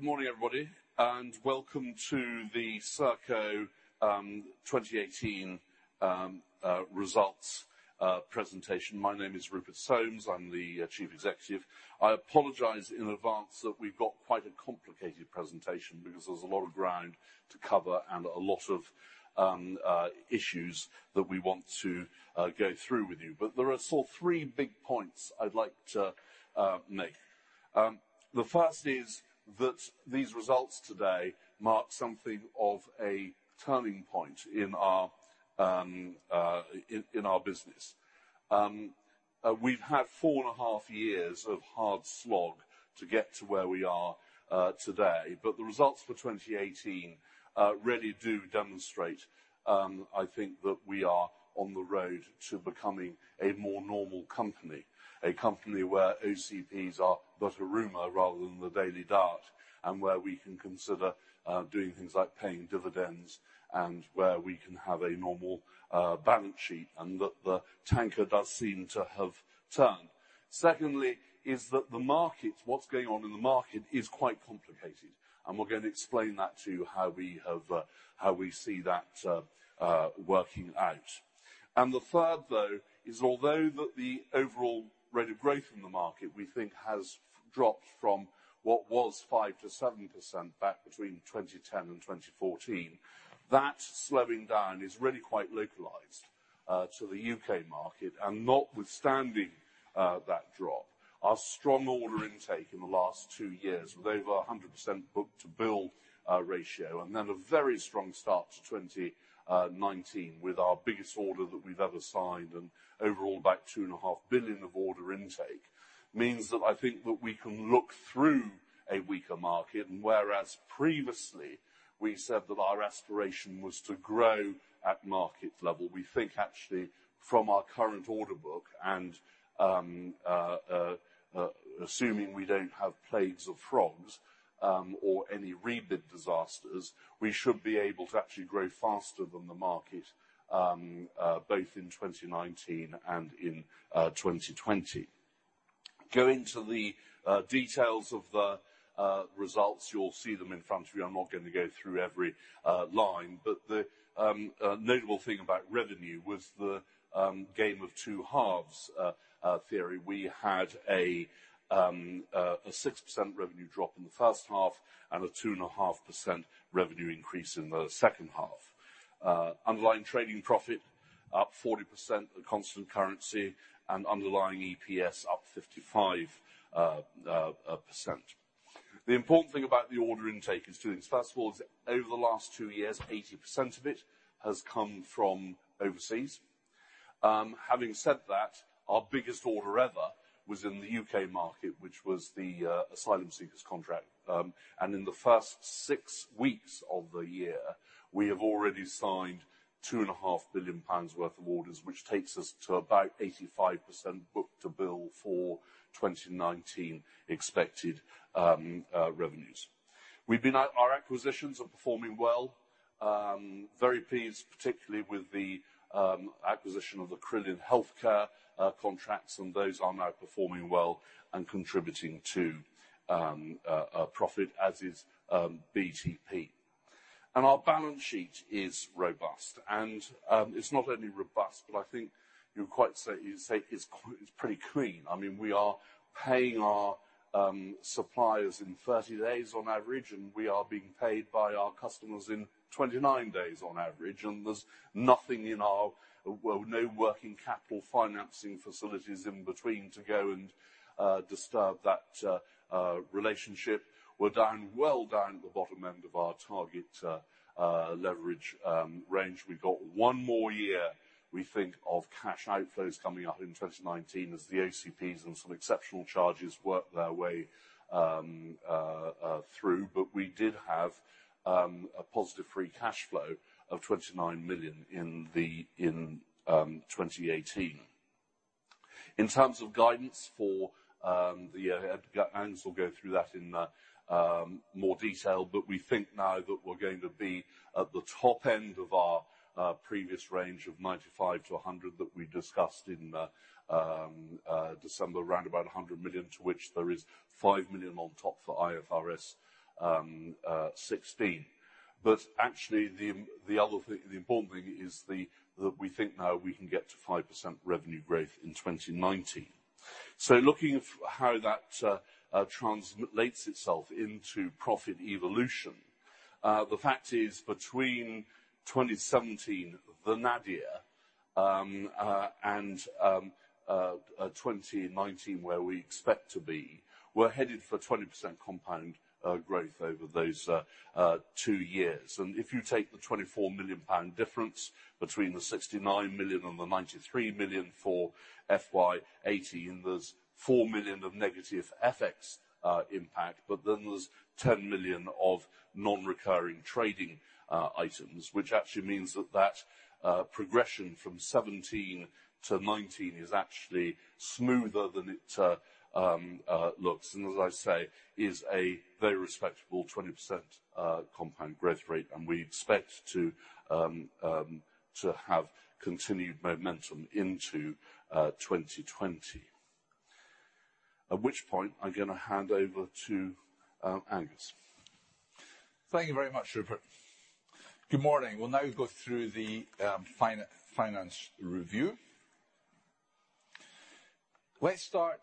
Right. Good morning, everybody, and welcome to the Serco 2018 results presentation. My name is Rupert Soames, I'm the Chief Executive. I apologize in advance that we've got quite a complicated presentation because there's a lot of ground to cover and a lot of issues that we want to go through with you. There are still three big points I'd like to make. The first is that these results today mark something of a turning point in our business. We've had four and a half years of hard slog to get to where we are today, but the results for 2018 really do demonstrate, I think, that we are on the road to becoming a more normal company. A company where OCPs are but a rumor rather than the daily dart, and where we can consider doing things like paying dividends, and where we can have a normal balance sheet, and that the tanker does seem to have turned. Secondly, is that what's going on in the market is quite complicated, and we're going to explain that to you, how we see that working out. The third, though, is although that the overall rate of growth in the market, we think, has dropped from what was 5%-7% back between 2010 and 2014. That slowing down is really quite localized to the U.K. market. Notwithstanding that drop, our strong order intake in the last two years, with over 100% book-to-bill ratio, then a very strong start to 2019 with our biggest order that we've ever signed, and overall about two and a half billion of order intake, means that I think that we can look through a weaker market. Whereas previously we said that our aspiration was to grow at market level, we think actually from our current order book, and assuming we don't have plagues of frogs or any rebid disasters, we should be able to actually grow faster than the market, both in 2019 and in 2020. Going to the details of the results, you'll see them in front of you. I'm not going to go through every line. The notable thing about revenue was the game of two halves theory. We had a 6% revenue drop in the first half and a 2.5% revenue increase in the second half. Underlying trading profit up 40% in constant currency, underlying EPS up 55%. The important thing about the order intake is two things. First of all, is over the last two years, 80% of it has come from overseas. Having said that, our biggest order ever was in the U.K. market, which was the asylum seekers contract. In the first six weeks of the year, we have already signed 2.5 billion pounds worth of orders, which takes us to about 85% book-to-bill for 2019 expected revenues. Our acquisitions are performing well. Very pleased, particularly with the acquisition of the Carillion healthcare contracts, and those are now performing well and contributing to profit, as is BTP. Our balance sheet is robust. It's not only robust, but I think you could quite say it's pretty clean. We are paying our suppliers in 30 days on average, we are being paid by our customers in 29 days on average. There's no working capital financing facilities in between to go and disturb that relationship. We're down, well down the bottom end of our target leverage range. We've got one more year, we think, of cash outflows coming up in 2019 as the OCPs and some exceptional charges work their way through. We did have a positive free cash flow of 29 million in 2018. In terms of guidance, we'll go through that in more detail, we think now that we're going to be at the top end of our previous range of 95 million-100 million that we discussed in December, around about 100 million, to which there is 5 million on top for IFRS 16. Actually, the important thing is that we think now we can get to 5% revenue growth in 2019. Looking how that translates itself into profit evolution, the fact is between 2017, the nadir, and 2019, where we expect to be, we're headed for 20% compound growth over those two years. If you take the 24 million pound difference between the 69 million and the 93 million for FY 2018, there's 4 million of negative ForEx impact, there's 10 million of non-recurring trading items. Actually means that that progression from 2017 to 2019 is actually smoother than it looks, as I say, is a very respectable 20% compound growth rate, we expect to have continued momentum into 2020. At which point I'm going to hand over to Angus. Thank you very much, Rupert. Good morning. We'll now go through the finance review. Let's start.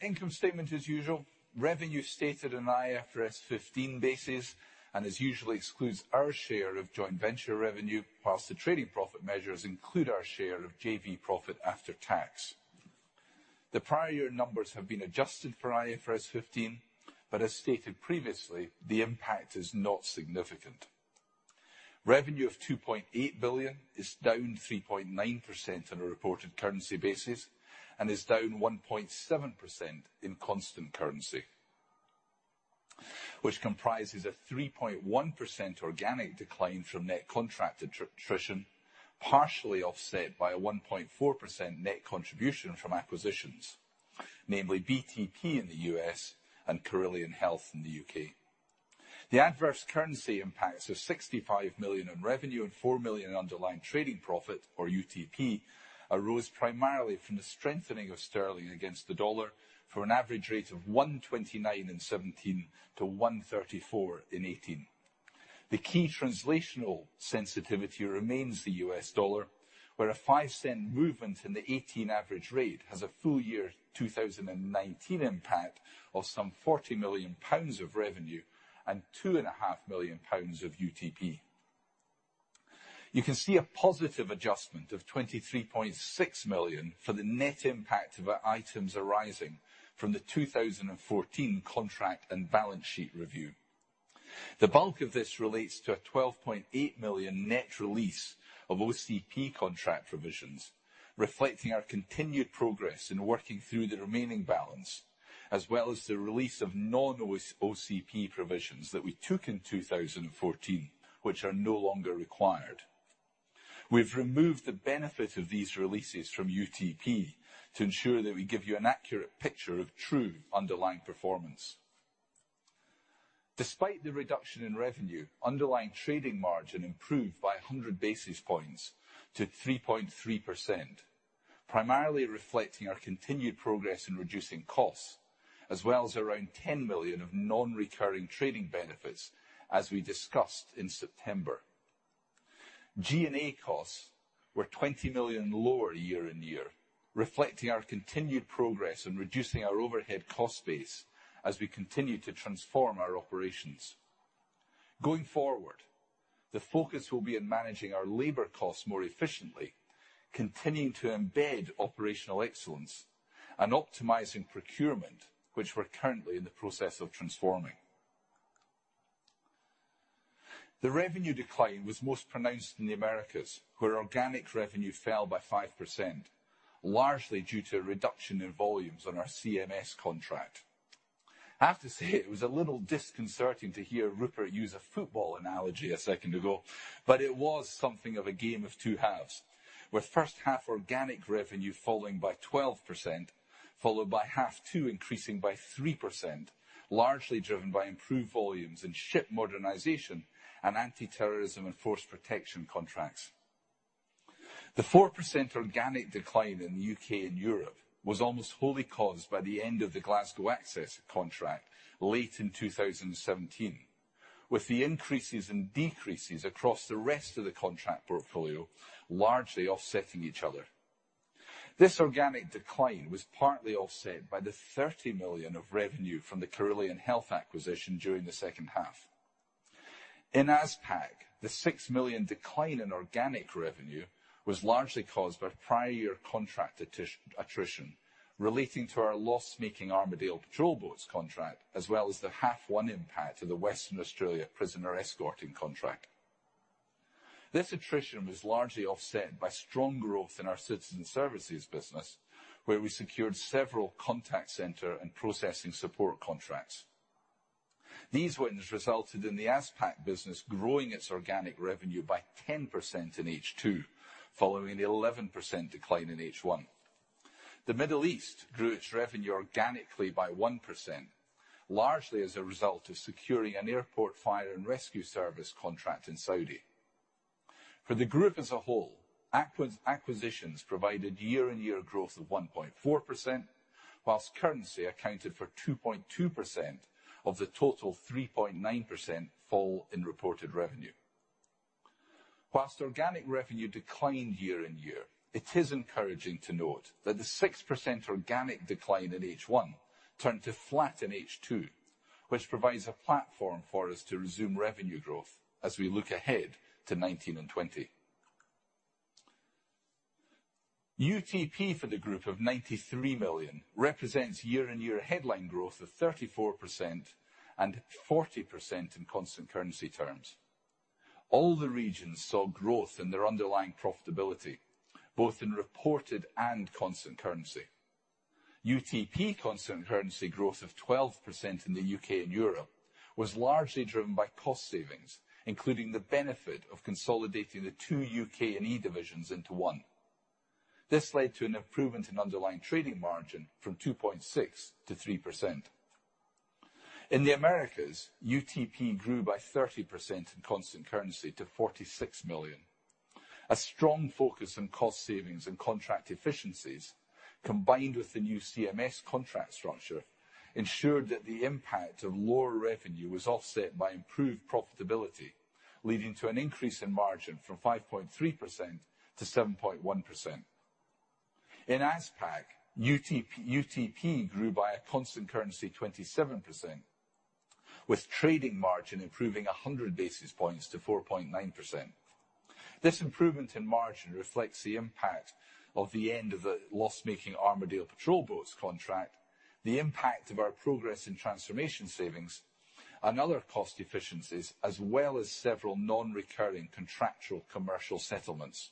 Income statement as usual. Revenue stated on IFRS 15 basis, as usual excludes our share of joint venture revenue, whilst the trading profit measures include our share of JV profit after tax. The prior year numbers have been adjusted for IFRS 15, as stated previously, the impact is not significant. Revenue of 2.8 billion is down 3.9% on a reported currency basis and is down 1.7% in constant currency, which comprises a 3.1% organic decline from net contract attrition, partially offset by a 1.4% net contribution from acquisitions, namely BTP in the U.S. and Carillion Health in the U.K. The adverse currency impacts of 65 million in revenue and 4 million in underlying trading profit, or UTP, arose primarily from the strengthening of sterling against the dollar for an average rate of 1.29 in 2017 to 1.34 in 2018. The key translational sensitivity remains the US dollar, where a $0.05 movement in the 2018 average rate has a full year 2019 impact of some 40 million pounds of revenue and 2.5 million pounds of UTP. You can see a positive adjustment of 23.6 million for the net impact of our items arising from the 2014 contract and balance sheet review. The bulk of this relates to a 12.8 million net release of OCP contract provisions, reflecting our continued progress in working through the remaining balance, as well as the release of non-OCP provisions that we took in 2014, which are no longer required. We've removed the benefit of these releases from UTP to ensure that we give you an accurate picture of true underlying performance. Despite the reduction in revenue, underlying trading margin improved by 100 basis points to 3.3%, primarily reflecting our continued progress in reducing costs, as well as around 10 million of non-recurring trading benefits, as we discussed in September. G&A costs were 20 million lower year-on-year, reflecting our continued progress in reducing our overhead cost base as we continue to transform our operations. Going forward, the focus will be on managing our labor costs more efficiently, continuing to embed operational excellence, and optimizing procurement, which we're currently in the process of transforming. The revenue decline was most pronounced in the Americas, where organic revenue fell by 5%, largely due to a reduction in volumes on our CMS contract. I have to say, it was a little disconcerting to hear Rupert use a football analogy a second ago, but it was something of a game of two halves, with first half organic revenue falling by 12%, followed by half 2 increasing by 3%, largely driven by improved volumes and ship modernization and anti-terrorism and force protection contracts. The 4% organic decline in the U.K. and Europe was almost wholly caused by the end of the Glasgow Access contract late in 2017, with the increases and decreases across the rest of the contract portfolio largely offsetting each other. This organic decline was partly offset by the 30 million of revenue from the Carillion Health acquisition during the second half. In APAC, the 6 million decline in organic revenue was largely caused by prior year contract attrition relating to our loss-making Armidale patrol boats contract, as well as the half 1 impact of the Western Australia prisoner escorting contract. This attrition was largely offset by strong growth in our citizen services business, where we secured several contact center and processing support contracts. These wins resulted in the APAC business growing its organic revenue by 10% in H2, following the 11% decline in H1. The Middle East grew its revenue organically by 1%, largely as a result of securing an airport fire and rescue service contract in Saudi. For the group as a whole, acquisitions provided year-on-year growth of 1.4%, while currency accounted for 2.2% of the total 3.9% fall in reported revenue. While organic revenue declined year on year, it is encouraging to note that the 6% organic decline in H1 turned to flat in H2, which provides a platform for us to resume revenue growth as we look ahead to 2019 and 2020. UTP for the group of 93 million represents year-on-year headline growth of 34% and 40% in constant currency terms. All the regions saw growth in their underlying profitability, both in reported and constant currency. UTP constant currency growth of 12% in the U.K. and Europe was largely driven by cost savings, including the benefit of consolidating the two U.K. and E divisions into one. This led to an improvement in underlying trading margin from 2.6% to 3%. In the Americas, UTP grew by 30% in constant currency to 46 million. A strong focus on cost savings and contract efficiencies, combined with the new CMS contract structure, ensured that the impact of lower revenue was offset by improved profitability, leading to an increase in margin from 5.3% to 7.1%. In ASPAC, UTP grew by a constant currency 27%, with trading margin improving 100 basis points to 4.9%. This improvement in margin reflects the impact of the end of a loss-making Armidale patrol boats contract, the impact of our progress in transformation savings, and other cost efficiencies, as well as several non-recurring contractual commercial settlements.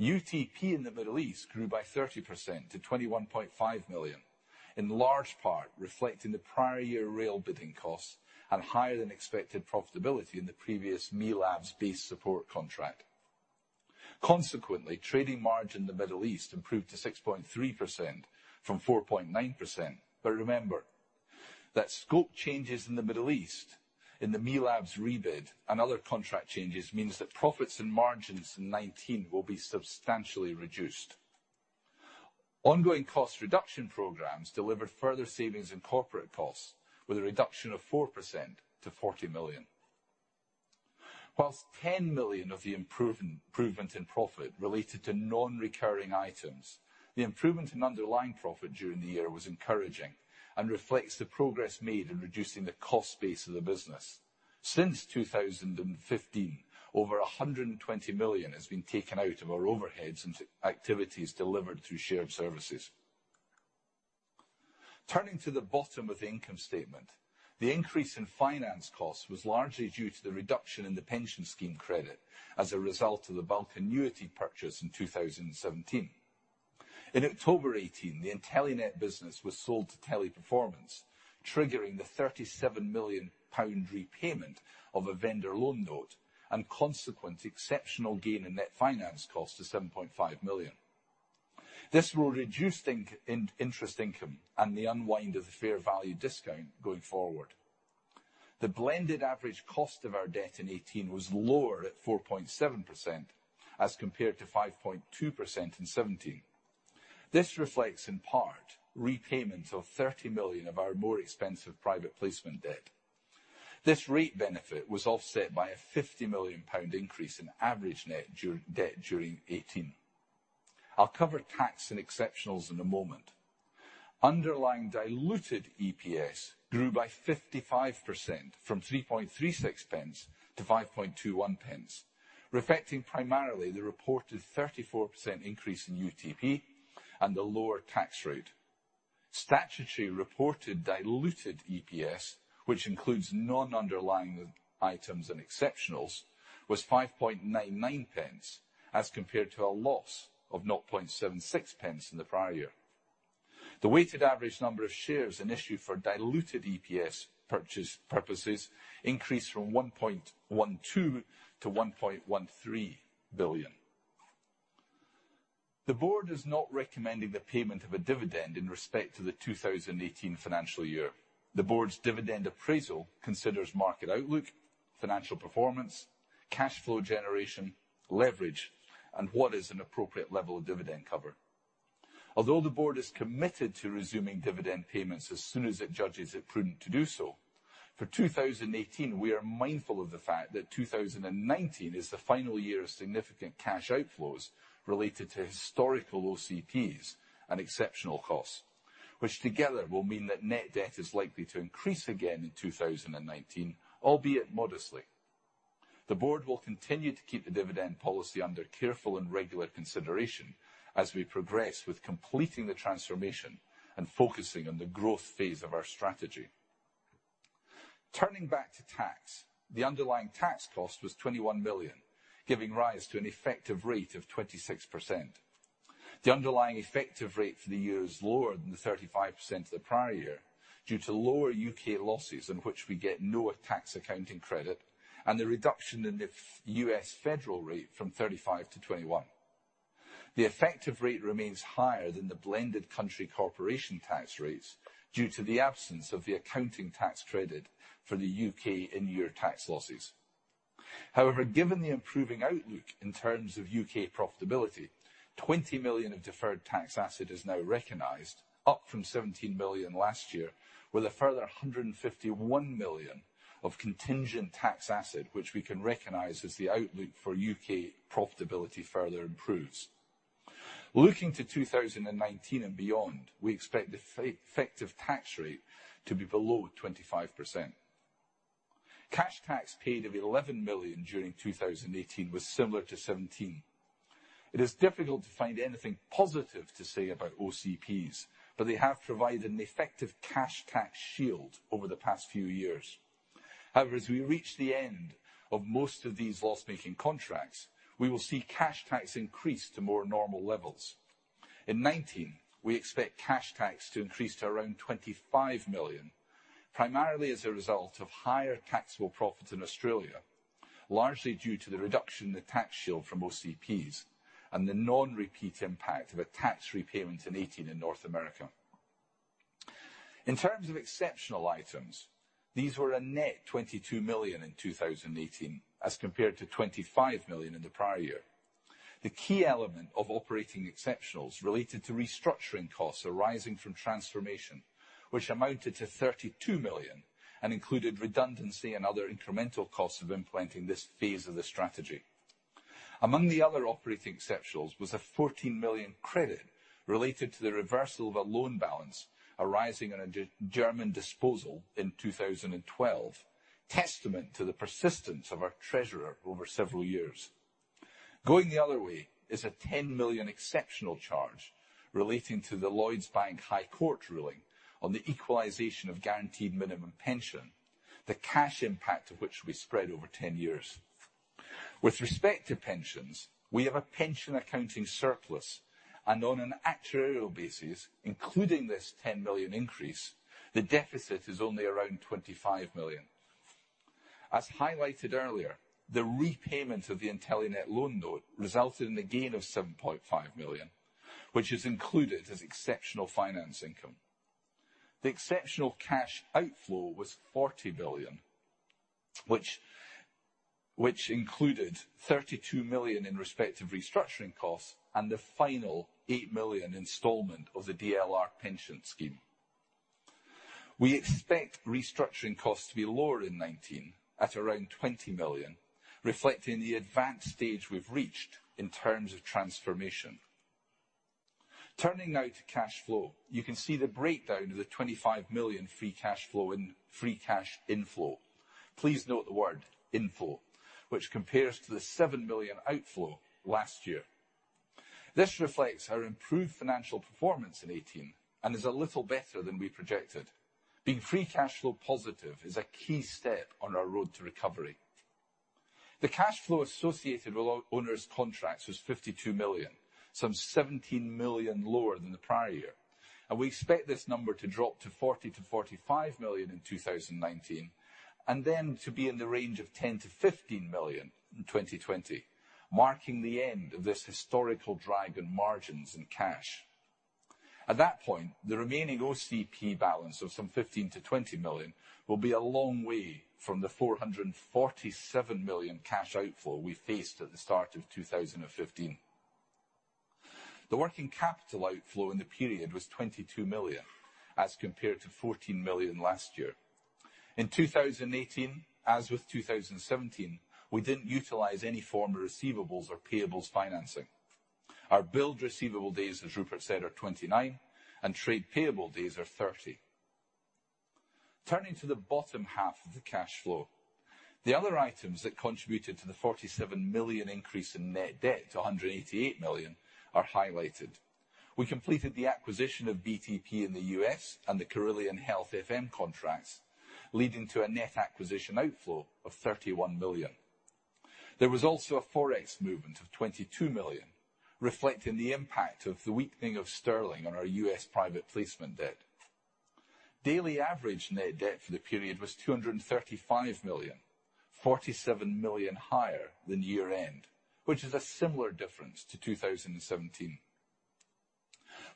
UTP in the Middle East grew by 30% to 21.5 million, in large part reflecting the prior year real bidding costs and higher than expected profitability in the previous MELABS base support contract. Consequently, trading margin in the Middle East improved to 6.3% from 4.9%. Remember that scope changes in the Middle East in the MELABS rebid and other contract changes means that profits and margins in 2019 will be substantially reduced. Ongoing cost reduction programs delivered further savings in corporate costs, with a reduction of 4% to 40 million. While 10 million of the improvement in profit related to non-recurring items, the improvement in underlying profit during the year was encouraging and reflects the progress made in reducing the cost base of the business. Since 2015, over 120 million has been taken out of our overheads and activities delivered through shared services. Turning to the bottom of the income statement, the increase in finance costs was largely due to the reduction in the pension scheme credit as a result of the bulk annuity purchase in 2017. In October 2018, the Intelenet business was sold to Teleperformance, triggering the 37 million pound repayment of a vendor loan note and consequent exceptional gain in net finance cost to 7.5 million. This will reduce interest income and the unwind of the fair value discount going forward. The blended average cost of our debt in 2018 was lower at 4.7% as compared to 5.2% in 2017. This reflects in part repayments of 30 million of our more expensive private placement debt. This rate benefit was offset by a 50 million pound increase in average net debt during 2018. I will cover tax and exceptionals in a moment. Underlying diluted EPS grew by 55%, from 0.0336 to 0.0521, reflecting primarily the reported 34% increase in UTP and the lower tax rate. Statutory reported diluted EPS, which includes non-underlying items and exceptionals, was 0.0599 as compared to a loss of 0.0076 in the prior year. The weighted average number of shares and issue for diluted EPS purposes increased from 1.12 to 1.13 billion. The board is not recommending the payment of a dividend in respect to the 2018 financial year. The board's dividend appraisal considers market outlook, financial performance, cash flow generation, leverage, and what is an appropriate level of dividend cover. Although the board is committed to resuming dividend payments as soon as it judges it prudent to do so, for 2018, we are mindful of the fact that 2019 is the final year of significant cash outflows related to historical OCPs and exceptional costs, which together will mean that net debt is likely to increase again in 2019, albeit modestly. The board will continue to keep the dividend policy under careful and regular consideration as we progress with completing the transformation and focusing on the growth phase of our strategy. Turning back to tax, the underlying tax cost was 21 million, giving rise to an effective rate of 26%. The underlying effective rate for the year is lower than the 35% of the prior year, due to lower U.K. losses in which we get no tax accounting credit and the reduction in the U.S. federal rate from 35% to 21%. The effective rate remains higher than the blended country corporation tax rates due to the absence of the accounting tax credit for the U.K. and year tax losses. Given the improving outlook in terms of U.K. profitability, 20 million of deferred tax asset is now recognized, up from 17 million last year, with a further 151 million of contingent tax asset, which we can recognize as the outlook for U.K. profitability further improves. Looking to 2019 and beyond, we expect the effective tax rate to be below 25%. Cash tax paid of 11 million during 2018 was similar to 2017. It is difficult to find anything positive to say about OCPs, but they have provided an effective cash tax shield over the past few years. As we reach the end of most of these loss-making contracts, we will see cash tax increase to more normal levels. In 2019, we expect cash tax to increase to around 25 million, primarily as a result of higher taxable profits in Australia. Largely due to the reduction in the tax shield from OCPs and the non-repeat impact of a tax repayment in 2018 in North America. In terms of exceptional items, these were a net 22 million in 2018 as compared to 25 million in the prior year. The key element of operating exceptionals related to restructuring costs arising from transformation, which amounted to 32 million and included redundancy and other incremental costs of implementing this phase of the strategy. Among the other operating exceptionals was a 14 million credit related to the reversal of a loan balance arising on a German disposal in 2012, testament to the persistence of our treasurer over several years. Going the other way is a 10 million exceptional charge relating to the Lloyds Bank High Court ruling on the equalization of Guaranteed Minimum Pension, the cash impact of which will be spread over 10 years. With respect to pensions, we have a pension accounting surplus, and on an actuarial basis, including this 10 million increase, the deficit is only around 25 million. As highlighted earlier, the repayment of the Intelenet loan note resulted in a gain of 7.5 million, which is included as exceptional finance income. The exceptional cash outflow was 40 million, which included 32 million in respective restructuring costs and the final 8 million installment of the DLR pension scheme. We expect restructuring costs to be lower in 2019 at around 20 million, reflecting the advanced stage we've reached in terms of transformation. Turning now to cash flow. You can see the breakdown of the 25 million free cash flow in free cash inflow. Please note the word inflow, which compares to the 7 million outflow last year. This reflects our improved financial performance in 2018 and is a little better than we projected. Being free cash flow positive is a key step on our road to recovery. The cash flow associated with our onerous contracts was 52 million, some 17 million lower than the prior year, and we expect this number to drop to 40 million-45 million in 2019, and then to be in the range of 10 million-15 million in 2020, marking the end of this historical drag in margins and cash. At that point, the remaining OCP balance of some 15 million-20 million will be a long way from the 447 million cash outflow we faced at the start of 2015. The working capital outflow in the period was 22 million as compared to 14 million last year. In 2018, as with 2017, we didn't utilize any form of receivables or payables financing. Our billed receivable days, as Rupert said, are 29, and trade payable days are 30. Turning to the bottom half of the cash flow. The other items that contributed to the 47 million increase in net debt to 188 million are highlighted. We completed the acquisition of BTP Systems in the U.S. and the Carillion Health FM contracts, leading to a net acquisition outflow of 31 million. There was also a Forex movement of 22 million, reflecting the impact of the weakening of sterling on our U.S. private placement debt. Daily average net debt for the period was 235 million, 47 million higher than year-end, which is a similar difference to 2017.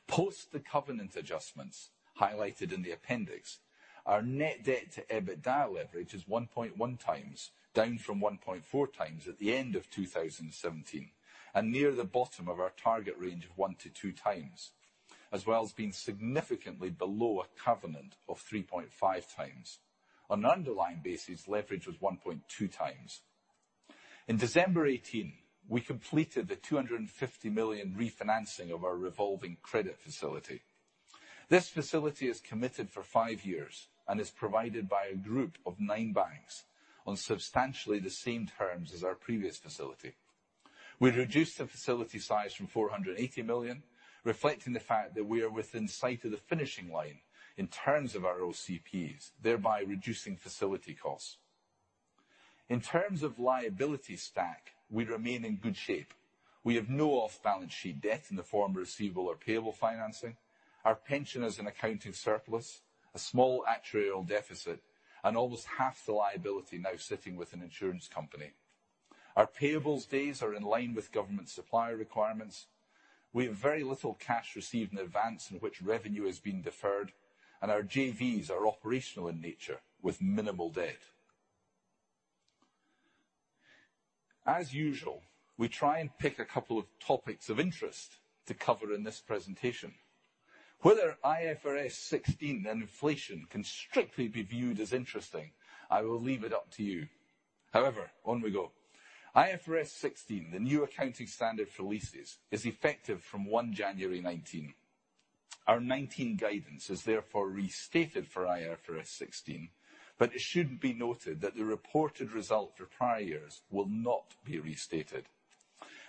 Post the covenant adjustments highlighted in the appendix, our net debt to EBITDA leverage is 1.1x, down from 1.4x at the end of 2017, and near the bottom of our target range of 1x-2x, as well as being significantly below a covenant of 3.5x. On an underlying basis, leverage was 1.2x. In December 2018, we completed the 250 million refinancing of our revolving credit facility. This facility is committed for five years and is provided by a group of nine banks on substantially the same terms as our previous facility. We reduced the facility size from 480 million, reflecting the fact that we are within sight of the finishing line in terms of our OCPs, thereby reducing facility costs. In terms of liability stack, we remain in good shape. We have no off-balance sheet debt in the form of receivable or payable financing. Our pension is an accounting surplus, a small actuarial deficit, and almost half the liability now sitting with an insurance company. Our payables days are in line with government supplier requirements. We have very little cash received in advance in which revenue is being deferred, and our JVs are operational in nature with minimal debt. As usual, we try and pick a couple of topics of interest to cover in this presentation. Whether IFRS 16 and inflation can strictly be viewed as interesting, I will leave it up to you. On we go. IFRS 16, the new accounting standard for leases, is effective from January 1, 2019. Our 2019 guidance is therefore restated for IFRS 16, but it should be noted that the reported result for prior years will not be restated.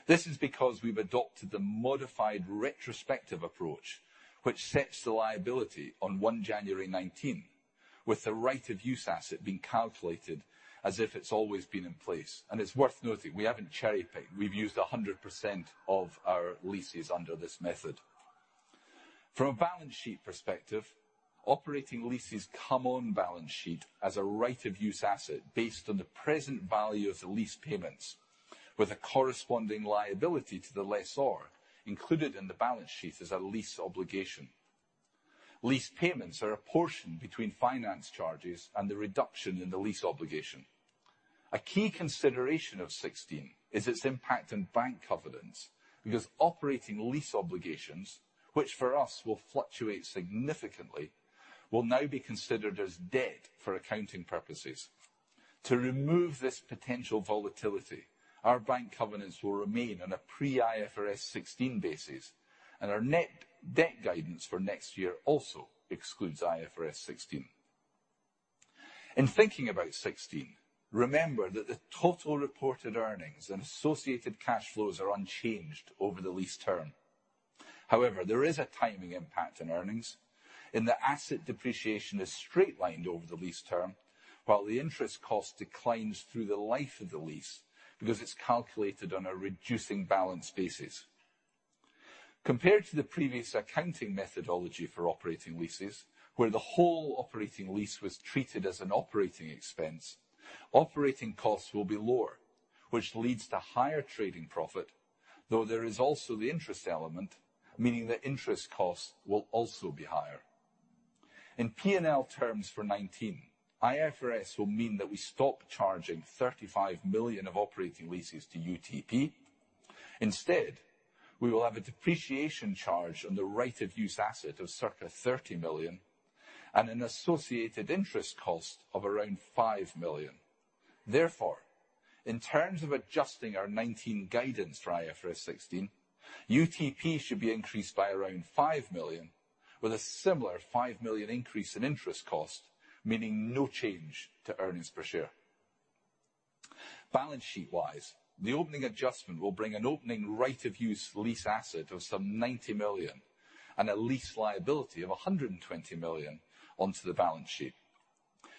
This is because we've adopted the modified retrospective approach, which sets the liability on January 1, 2019, with the right-of-use asset being calculated as if it's always been in place. It's worth noting, we haven't cherry-picked. We've used 100% of our leases under this method. From a balance sheet perspective, operating leases come on balance sheet as a right-of-use asset based on the present value of the lease payments, with a corresponding liability to the lessor included in the balance sheet as a lease obligation. Lease payments are apportioned between finance charges and the reduction in the lease obligation. A key consideration of '16 is its impact on bank covenants, because operating lease obligations, which for us will fluctuate significantly, will now be considered as debt for accounting purposes. To remove this potential volatility, our bank covenants will remain on a pre-IFRS 16 basis, and our net debt guidance for next year also excludes IFRS 16. In thinking about '16, remember that the total reported earnings and associated cash flows are unchanged over the lease term. There is a timing impact on earnings, and the asset depreciation is straight-lined over the lease term, while the interest cost declines through the life of the lease because it's calculated on a reducing balance basis. Compared to the previous accounting methodology for operating leases, where the whole operating lease was treated as an operating expense, operating costs will be lower, which leads to higher trading profit, though there is also the interest element, meaning the interest cost will also be higher. In P&L terms for 2019, IFRS will mean that we stop charging 35 million of operating leases to UTP. Instead, we will have a depreciation charge on the right-of-use asset of circa 30 million and an associated interest cost of around 5 million. In terms of adjusting our 2019 guidance for IFRS 16, UTP should be increased by around 5 million with a similar 5 million increase in interest cost, meaning no change to earnings per share. Balance sheet-wise, the opening adjustment will bring an opening right-of-use lease asset of some 90 million and a lease liability of 120 million onto the balance sheet.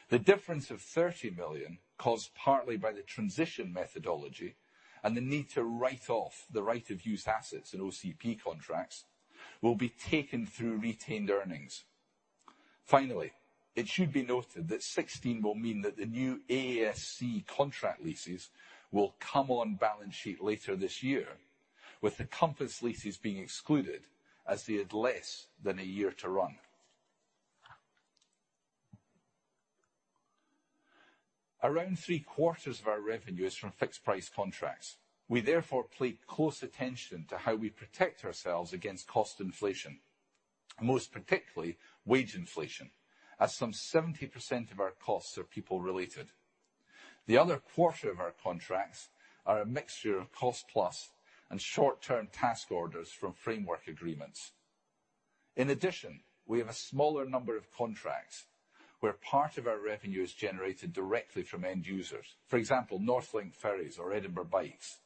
The difference of 30 million, caused partly by the transition methodology and the need to write off the right-of-use assets in OCP contracts, will be taken through retained earnings. Finally, it should be noted that 2016 will mean that the new AASC contract leases will come on balance sheet later this year, with the COMPASS leases being excluded as they had less than a year to run. Around three-quarters of our revenue is from fixed price contracts. We therefore pay close attention to how we protect ourselves against cost inflation, most particularly wage inflation, as some 70% of our costs are people related. The other quarter of our contracts are a mixture of cost-plus and short-term task orders from framework agreements. In addition, we have a smaller number of contracts where part of our revenue is generated directly from end users. For example, NorthLink Ferries or Edinburgh Cycle Hire,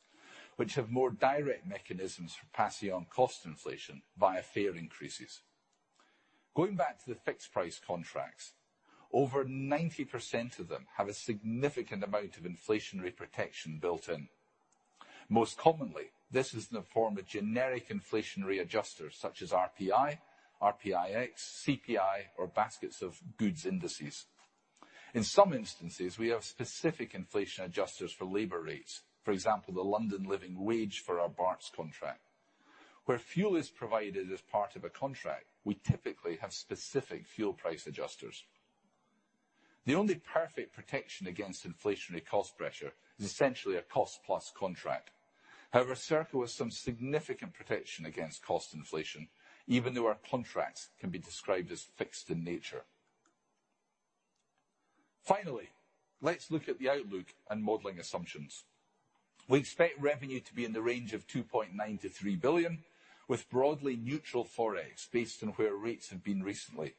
which have more direct mechanisms for passing on cost inflation via fare increases. Going back to the fixed price contracts, over 90% of them have a significant amount of inflationary protection built in. Most commonly, this is in the form of generic inflationary adjusters such as RPI, RPIX, CPI, or baskets of goods indices. In some instances, we have specific inflation adjusters for labor rates. For example, the London Living Wage for our Barts contract. Where fuel is provided as part of a contract, we typically have specific fuel price adjusters. The only perfect protection against inflationary cost pressure is essentially a cost-plus contract. However, Serco has some significant protection against cost inflation, even though our contracts can be described as fixed in nature. Finally, let's look at the outlook and modeling assumptions. We expect revenue to be in the range of 2.9 billion-3 billion, with broadly neutral ForEx based on where rates have been recently.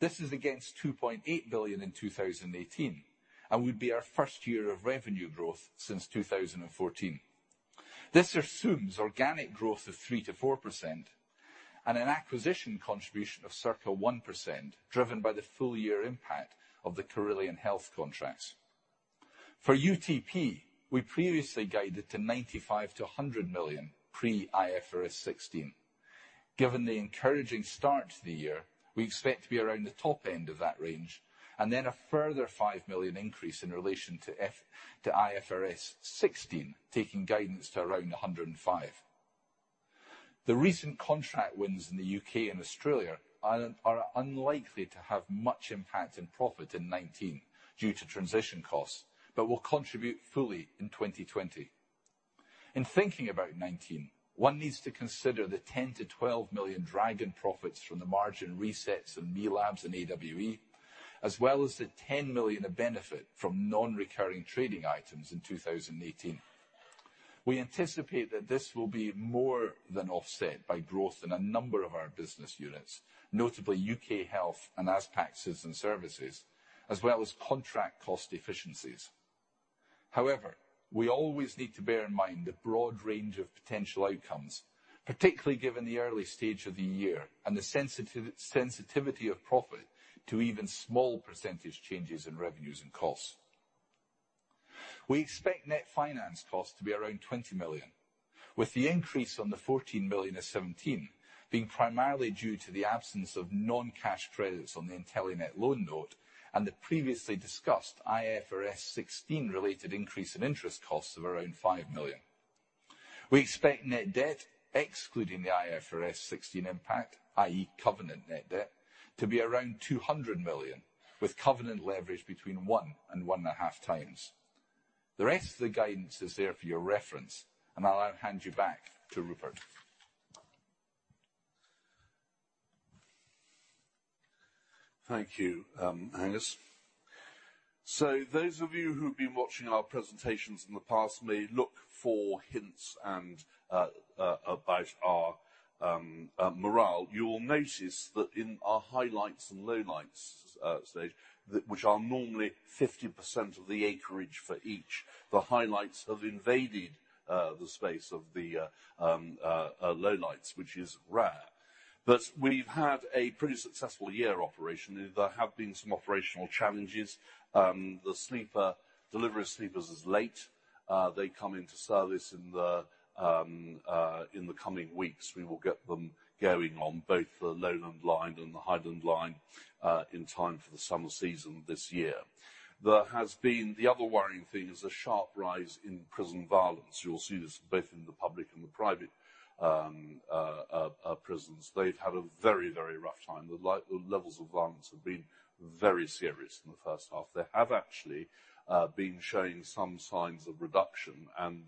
This is against 2.8 billion in 2018 and would be our first year of revenue growth since 2014. This assumes organic growth of 3%-4% and an acquisition contribution of circa 1%, driven by the full year impact of the Carillion health contracts. For UTP, we previously guided to 95 million-100 million pre-IFRS 16. Given the encouraging start to the year, we expect to be around the top end of that range and then a further 5 million increase in relation to IFRS 16, taking guidance to around 105 million. The recent contract wins in the U.K. and Australia are unlikely to have much impact in profit in 2019 due to transition costs, but will contribute fully in 2020. In thinking about 2019, one needs to consider the 10 million-12 million drag in profits from the margin resets of ME Labs and AWE, as well as the 10 million of benefit from non-recurring trading items in 2018. We anticipate that this will be more than offset by growth in a number of our business units, notably U.K. health and ASPAC citizen services, as well as contract cost efficiencies. However, we always need to bear in mind the broad range of potential outcomes, particularly given the early stage of the year and the sensitivity of profit to even small percentage changes in revenues and costs. We expect net finance costs to be around 20 million, with the increase on the 14 million of 2017 being primarily due to the absence of non-cash credits on the Intelenet loan note and the previously discussed IFRS 16 related increase in interest costs of around 5 million. We expect net debt, excluding the IFRS 16 impact, i.e. covenant net debt, to be around 200 million with covenant leverage between one and 1.5 times. The rest of the guidance is there for your reference, and I'll hand you back to Rupert. Thank you, Angus. Those of you who've been watching our presentations in the past may look for hints about our morale. You will notice that in our highlights and lowlights stage, which are normally 50% of the acreage for each, the highlights have invaded the space of the lowlights, which is rare. We've had a pretty successful year operationally. There have been some operational challenges. The delivery of sleepers is late. They come into service in the coming weeks. We will get them going on both the Lowland line and the Highland line in time for the summer season this year. The other worrying thing is the sharp rise in prison violence. You'll see this both in the public and the private prisons. They've had a very rough time. The levels of violence have been very serious in the first half. They have actually been showing some signs of reduction, and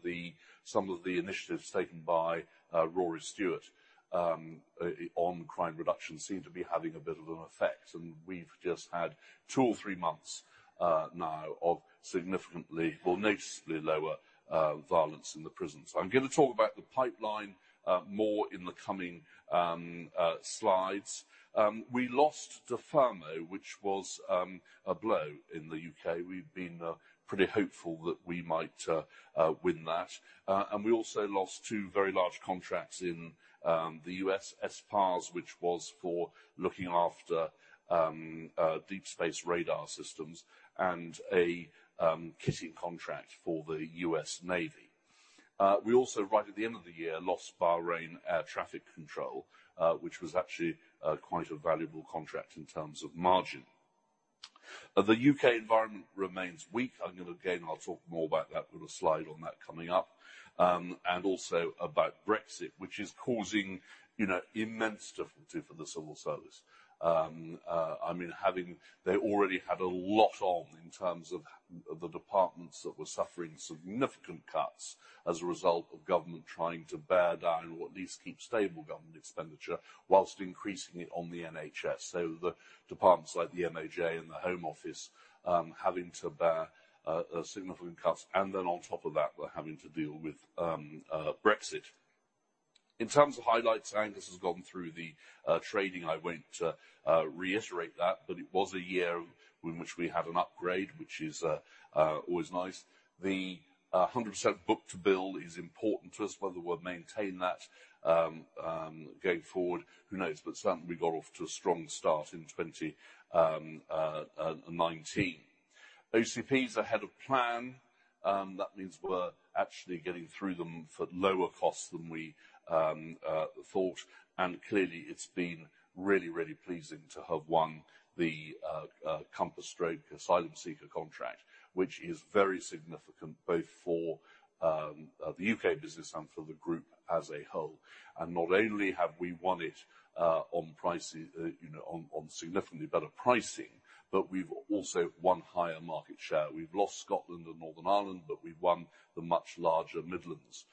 some of the initiatives taken by Rory Stewart on crime reduction seem to be having a bit of an effect, and we've just had two or three months now of significantly, well, noticeably lower violence in the prisons. I'm going to talk about the pipeline more in the coming slides. We lost DFRMO, which was a blow in the U.K. We'd been pretty hopeful that we might win that. We also lost two very large contracts in the U.S., SPARS, which was for looking after deep space radar systems, and a kitting contract for the US Navy. We also, right at the end of the year, lost Bahrain Air Traffic Control, which was actually quite a valuable contract in terms of margin. The U.K. environment remains weak. Again, I'll talk more about that with a slide on that coming up. Also about Brexit, which is causing immense difficulty for the civil service. They already had a lot on in terms of the departments that were suffering significant cuts as a result of government trying to bear down, or at least keep stable government expenditure whilst increasing it on the NHS. The departments like the MOJ and the Home Office having to bear significant cuts, and then on top of that, we're having to deal with Brexit. In terms of highlights, Angus has gone through the trading. I won't reiterate that. It was a year in which we had an upgrade, which is always nice. The 100% book-to-bill is important to us. Whether we'll maintain that going forward, who knows, but certainly we got off to a strong start in 2019. OCP is ahead of plan. We're actually getting through them for lower costs than we thought, clearly it's been really pleasing to have won the COMPASS asylum seeker contract, which is very significant both for the U.K. business and for the group as a whole. Not only have we won it on significantly better pricing, but we've also won higher market share. We've lost Scotland and Northern Ireland, but we won the much larger Midlands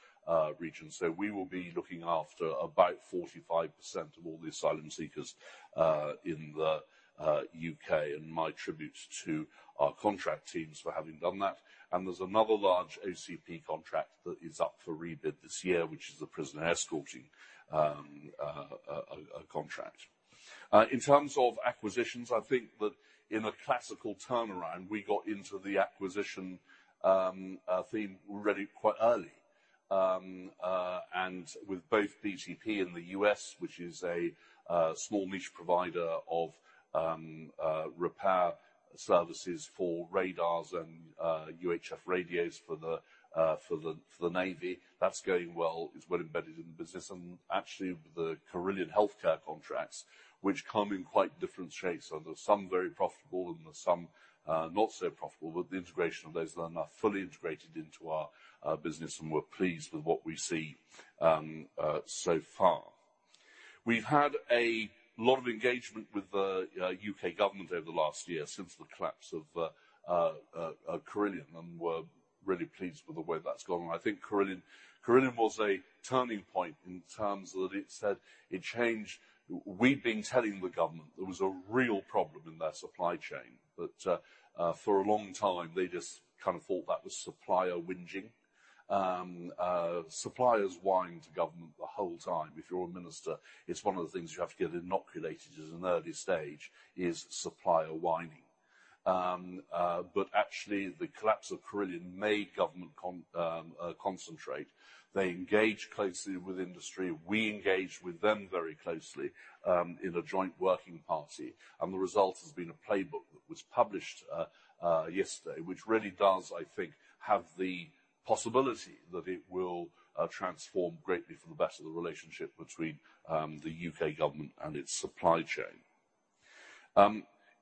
region. We will be looking after about 45% of all the asylum seekers in the U.K. My tributes to our contract teams for having done that. There's another large OCP contract that is up for rebid this year, which is the prisoner escorting contract. In terms of acquisitions, I think that in a classical turnaround, we got into the acquisition theme really quite early. With both BTP in the U.S., which is a small niche provider of repair services for radars and UHF radios for the Navy, that's going well. It's well embedded in the business. Actually, the Carillion healthcare contracts, which come in quite different shapes, although some very profitable and some not so profitable, the integration of those are now fully integrated into our business, and we're pleased with what we see so far. We've had a lot of engagement with the U.K. government over the last year since the collapse of Carillion, and we're really pleased with the way that's gone. I think Carillion was a turning point in terms that it changed. We'd been telling the government there was a real problem in their supply chain. For a long time, they just kind of thought that was supplier whinging. Suppliers whine to government the whole time. If you're a minister, it's one of the things you have to get inoculated as an early stage, is supplier whining. Actually, the collapse of Carillion made government concentrate. They engage closely with industry. We engage with them very closely in a joint working party. The result has been an Outsourcing Playbook that was published yesterday, which really does, I think, have the possibility that it will transform greatly for the better the relationship between the U.K. government and its supply chain.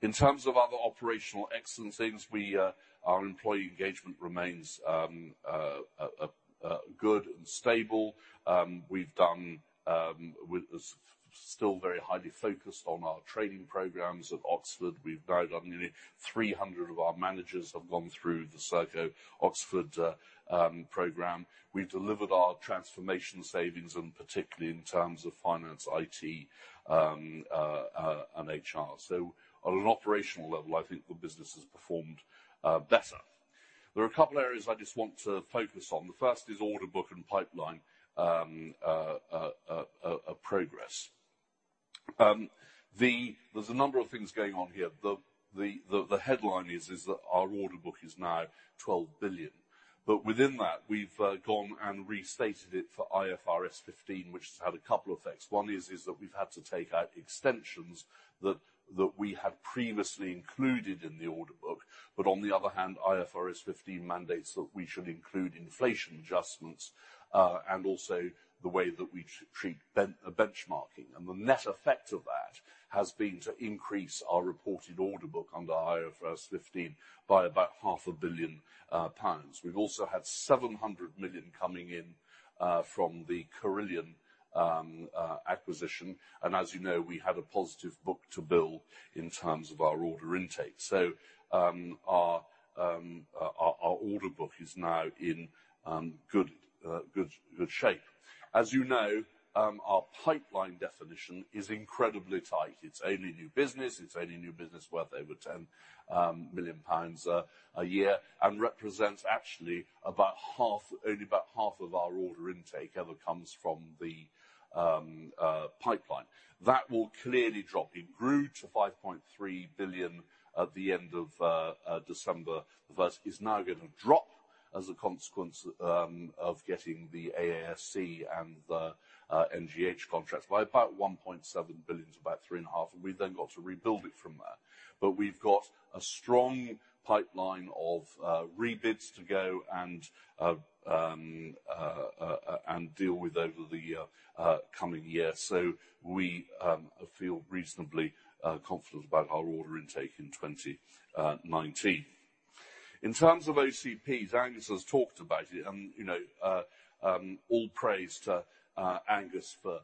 In terms of other operational excellences, our employee engagement remains good and stable. We're still very highly focused on our training programs at Oxford. Nearly 300 of our managers have gone through the Serco-Oxford program. We've delivered our transformation savings, particularly in terms of finance, IT, and HR. On an operational level, I think the business has performed better. There are a couple areas I just want to focus on. The first is order book and pipeline progress. There's a number of things going on here. The headline is that our order book is now 12 billion. Within that, we've gone and restated it for IFRS 15, which has had a couple effects. One is that we've had to take out extensions that we had previously included in the order book, but on the other hand, IFRS 15 mandates that we should include inflation adjustments, and also the way that we treat benchmarking. The net effect of that has been to increase our reported order book under IFRS 15 by about half a billion GBP. We've also had 700 million coming in from the Carillion acquisition, as you know, we had a positive book-to-bill in terms of our order intake. Our order book is now in good shape. As you know, our pipeline definition is incredibly tight. It is only new business, it is only new business worth over 10 million pounds a year and represents actually only about half of our order intake ever comes from the pipeline. That will clearly drop. It grew to 5.3 billion at the end of December, but is now going to drop as a consequence of getting the AASC and the NGH contracts by about 1.7 billion to about 3.5 billion, and we have then got to rebuild it from there. We have got a strong pipeline of rebids to go and deal with over the coming year. We feel reasonably confident about our order intake in 2019. In terms of OCPs, Angus has talked about it, and all praise to Angus for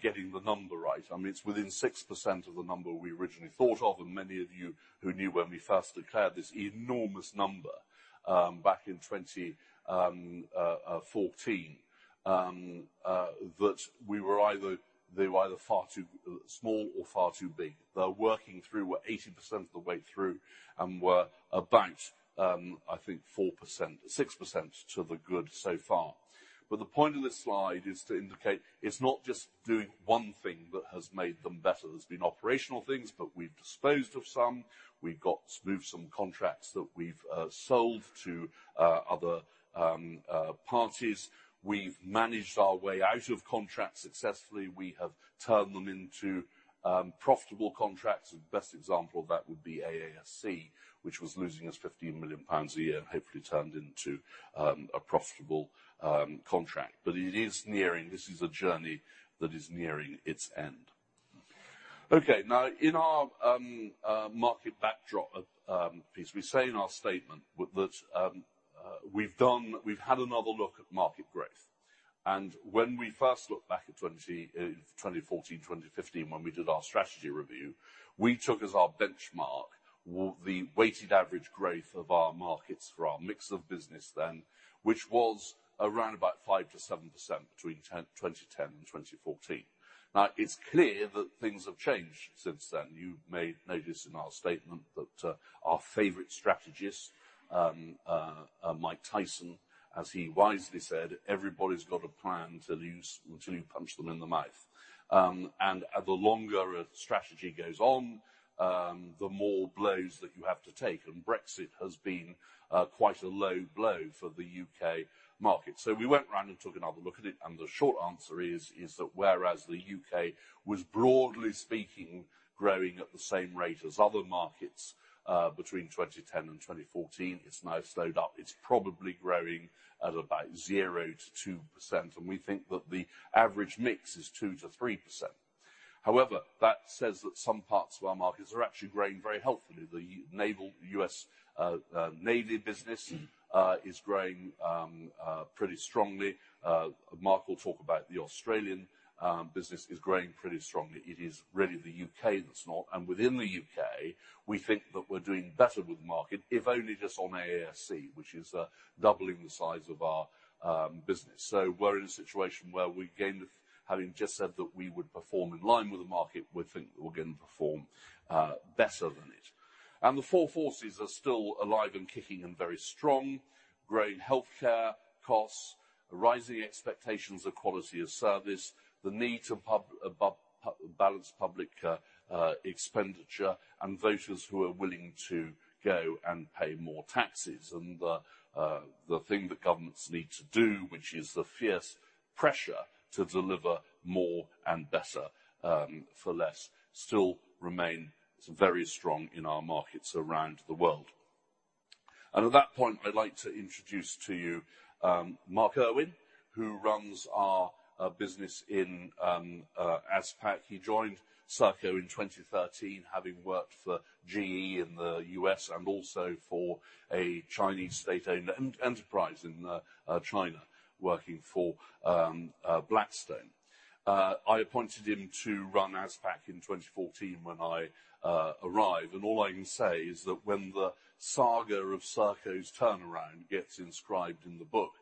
getting the number right. It is within 6% of the number we originally thought of, and many of you who knew when we first declared this enormous number back in 2014, that they were either far too small or far too big. They are working through. We are 80% of the way through, and we are about, I think 4%, 6% to the good so far. The point of this slide is to indicate it is not just doing one thing that has made them better. There has been operational things, we have disposed of some. We have got to move some contracts that we have sold to other parties. We have managed our way out of contracts successfully. We have turned them into profitable contracts, and best example of that would be AASC, which was losing us 15 million pounds a year and hopefully turned into a profitable contract. This is a journey that is nearing its end. In our market backdrop piece, we say in our statement that we have had another look at market growth. When we first looked back at 2014, 2015, when we did our strategy review, we took as our benchmark the weighted average growth of our markets for our mix of business then, which was around about 5%-7% between 2010 and 2014. It is clear that things have changed since then. You may notice in our statement that our favorite strategist, Mike Tyson, as he wisely said, "Everybody has got a plan till you punch them in the mouth." The longer a strategy goes on, the more blows that you have to take, and Brexit has been quite a low blow for the U.K. market. We went around and took another look at it, and the short answer is that whereas the U.K. was broadly speaking, growing at the same rate as other markets between 2010 and 2014, it is now slowed up. It is probably growing at about 0%-2%, and we think that the average mix is 2%-3%. However, that says that some parts of our markets are actually growing very healthily. The U.S. Naval business is growing pretty strongly. Mark will talk about the Australian business is growing pretty strongly. It is really the U.K. that is not. Within the U.K., we think that we are doing better with the market, if only just on AASC, which is doubling the size of our business. We're in a situation where we again, having just said that we would perform in line with the market, we think that we're going to perform better than it. The four forces are still alive and kicking and very strong. Growing healthcare costs, rising expectations of quality of service, the need to balance public expenditure, and voters who are willing to go and pay more taxes. The thing that governments need to do, which is the fierce pressure to deliver more and better for less, still remain very strong in our markets around the world. At that point, I'd like to introduce to you Mark Irwin, who runs our business in ASPAC. He joined Serco in 2013, having worked for GE in the U.S. and also for a Chinese state-owned enterprise in China, working for Blackstone. I appointed him to run ASPAC in 2014 when I arrived. All I can say is that when the saga of Serco's turnaround gets inscribed in the book,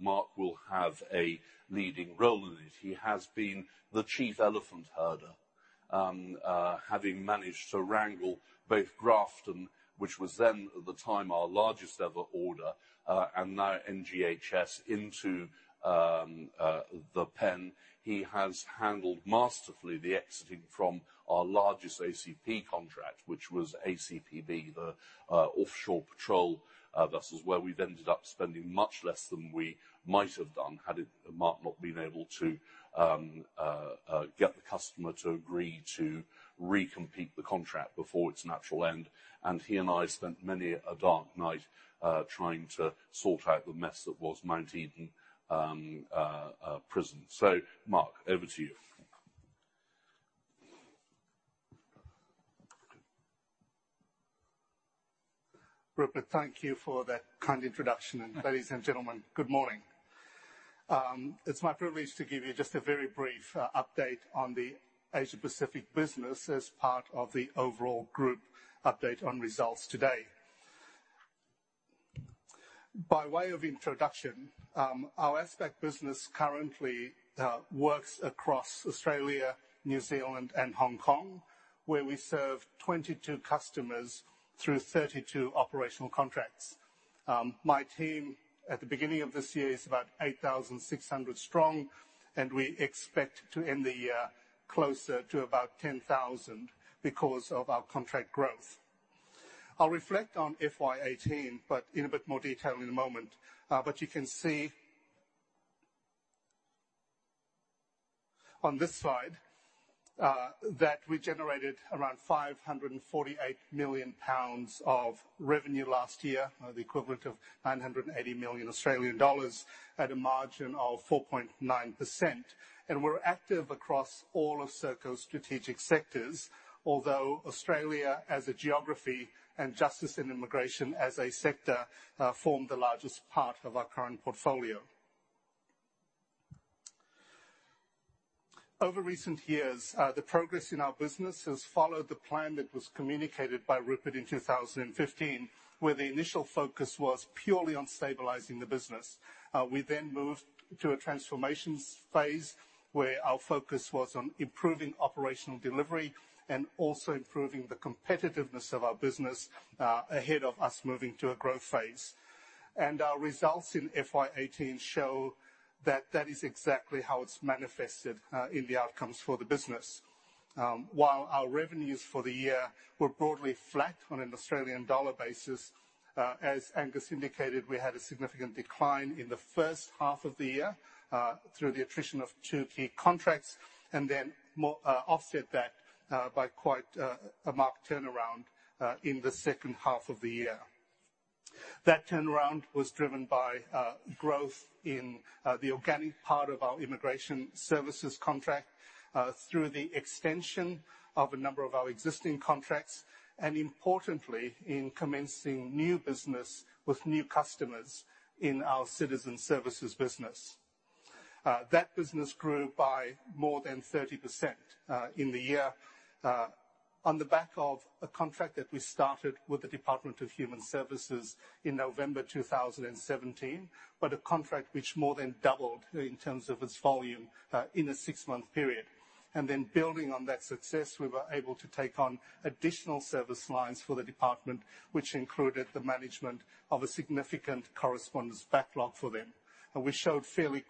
Mark will have a leading role in it. He has been the chief elephant herder, having managed to wrangle both Grafton, which was then at the time, our largest-ever order, and now NGHS into the pen. He has handled masterfully the exiting from our largest ACP contract, which was ACPB, the offshore patrol vessels, where we've ended up spending much less than we might have done had Mark not been able to get the customer to agree to re-compete the contract before its natural end. He and I spent many a dark night trying to sort out the mess that was Mount Eden Prison. Mark, over to you. Rupert, thank you for that kind introduction. Ladies and gentlemen, good morning. It's my privilege to give you just a very brief update on the Asia Pacific business as part of the overall group update on results today. By way of introduction, our ASPAC business currently works across Australia, New Zealand, and Hong Kong, where we serve 22 customers through 32 operational contracts. My team at the beginning of this year is about 8,600 strong, and we expect to end the year closer to about 10,000 because of our contract growth. I'll reflect on FY 2018, but in a bit more detail in a moment. You can see on this slide that we generated around 548 million pounds of revenue last year, the equivalent of 980 million Australian dollars at a margin of 4.9%. We're active across all of Serco's strategic sectors. Although Australia, as a geography, and justice and immigration as a sector, form the largest part of our current portfolio. Over recent years, the progress in our business has followed the plan that was communicated by Rupert in 2015, where the initial focus was purely on stabilizing the business. We then moved to a transformations phase, where our focus was on improving operational delivery and also improving the competitiveness of our business ahead of us moving to a growth phase. Our results in FY 2018 show that that is exactly how it's manifested in the outcomes for the business. While our revenues for the year were broadly flat on an Australian dollar basis, as Angus indicated, we had a significant decline in the first half of the year through the attrition of two key contracts, and then offset that by quite a marked turnaround in the second half of the year. That turnaround was driven by growth in the organic part of our immigration services contract through the extension of a number of our existing contracts, and importantly, in commencing new business with new customers in our citizen services business. That business grew by more than 30% in the year on the back of a contract that we started with the Department of Human Services in November 2017, but a contract which more than doubled in terms of its volume in a six-month period. Building on that success, we were able to take on additional service lines for the department, which included the management of a significant correspondence backlog for them. We showed fairly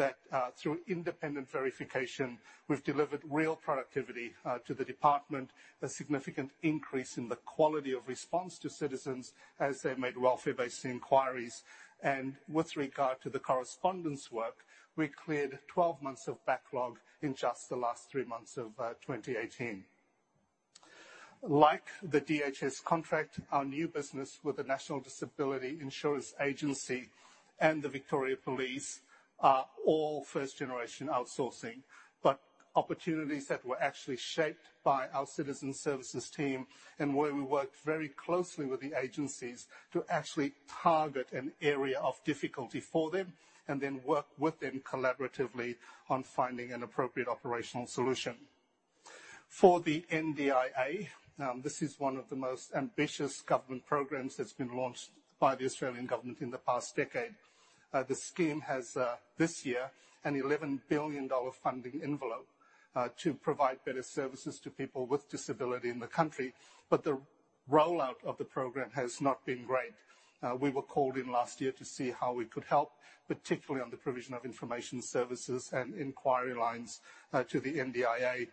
quickly that through independent verification, we've delivered real productivity to the department, a significant increase in the quality of response to citizens as they've made welfare-based inquiries. With regard to the correspondence work, we cleared 12 months of backlog in just the last three months of 2018. Like the DHS contract, our new business with the National Disability Insurance Agency and the Victoria Police are all first-generation outsourcing. Opportunities that were actually shaped by our citizen services team and where we worked very closely with the agencies to actually target an area of difficulty for them, and then work with them collaboratively on finding an appropriate operational solution. For the NDIA, this is one of the most ambitious government programs that's been launched by the Australian Government in the past decade. The scheme has this year an GBP 11 billion funding envelope to provide better services to people with disability in the country. The rollout of the program has not been great. We were called in last year to see how we could help, particularly on the provision of information services and inquiry lines to the NDIA.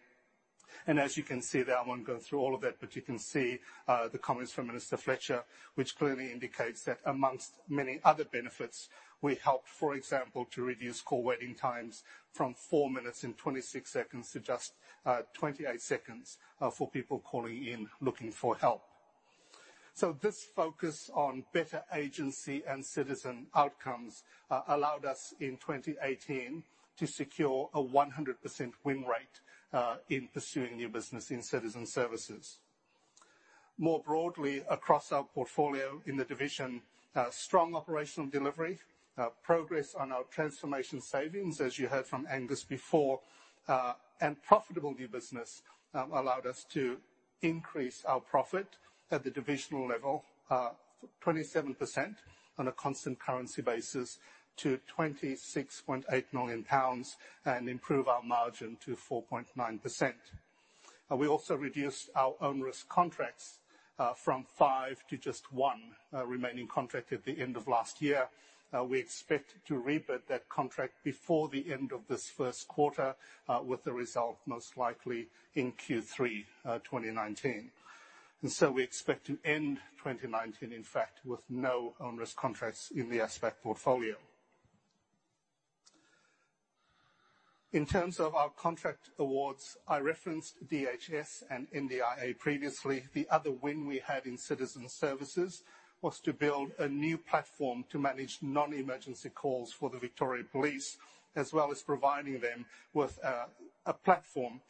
As you can see there, I won't go through all of it, but you can see the comments from Minister Fletcher, which clearly indicates that amongst many other benefits, we helped, for example, to reduce call waiting times from four minutes and 26 seconds to just 28 seconds for people calling in looking for help. This focus on better agency and citizen outcomes allowed us in 2018 to secure a 100% win rate in pursuing new business in citizen services. More broadly, across our portfolio in the division, strong operational delivery, progress on our transformation savings, as you heard from Angus before, and profitable new business allowed us to increase our profit at the divisional level, 27% on a constant currency basis to 26.8 million pounds and improve our margin to 4.9%. We also reduced our onerous contracts from five to just one remaining contract at the end of last year. We expect to rebid that contract before the end of this first quarter, with the result most likely in Q3 2019. We expect to end 2019, in fact, with no onerous contracts in the ASPAC portfolio. In terms of our contract awards, I referenced DHS and NDIA previously. The other win we had in citizen services was to build a new platform to manage non-emergency calls for the Victoria Police, as well as providing them with a platform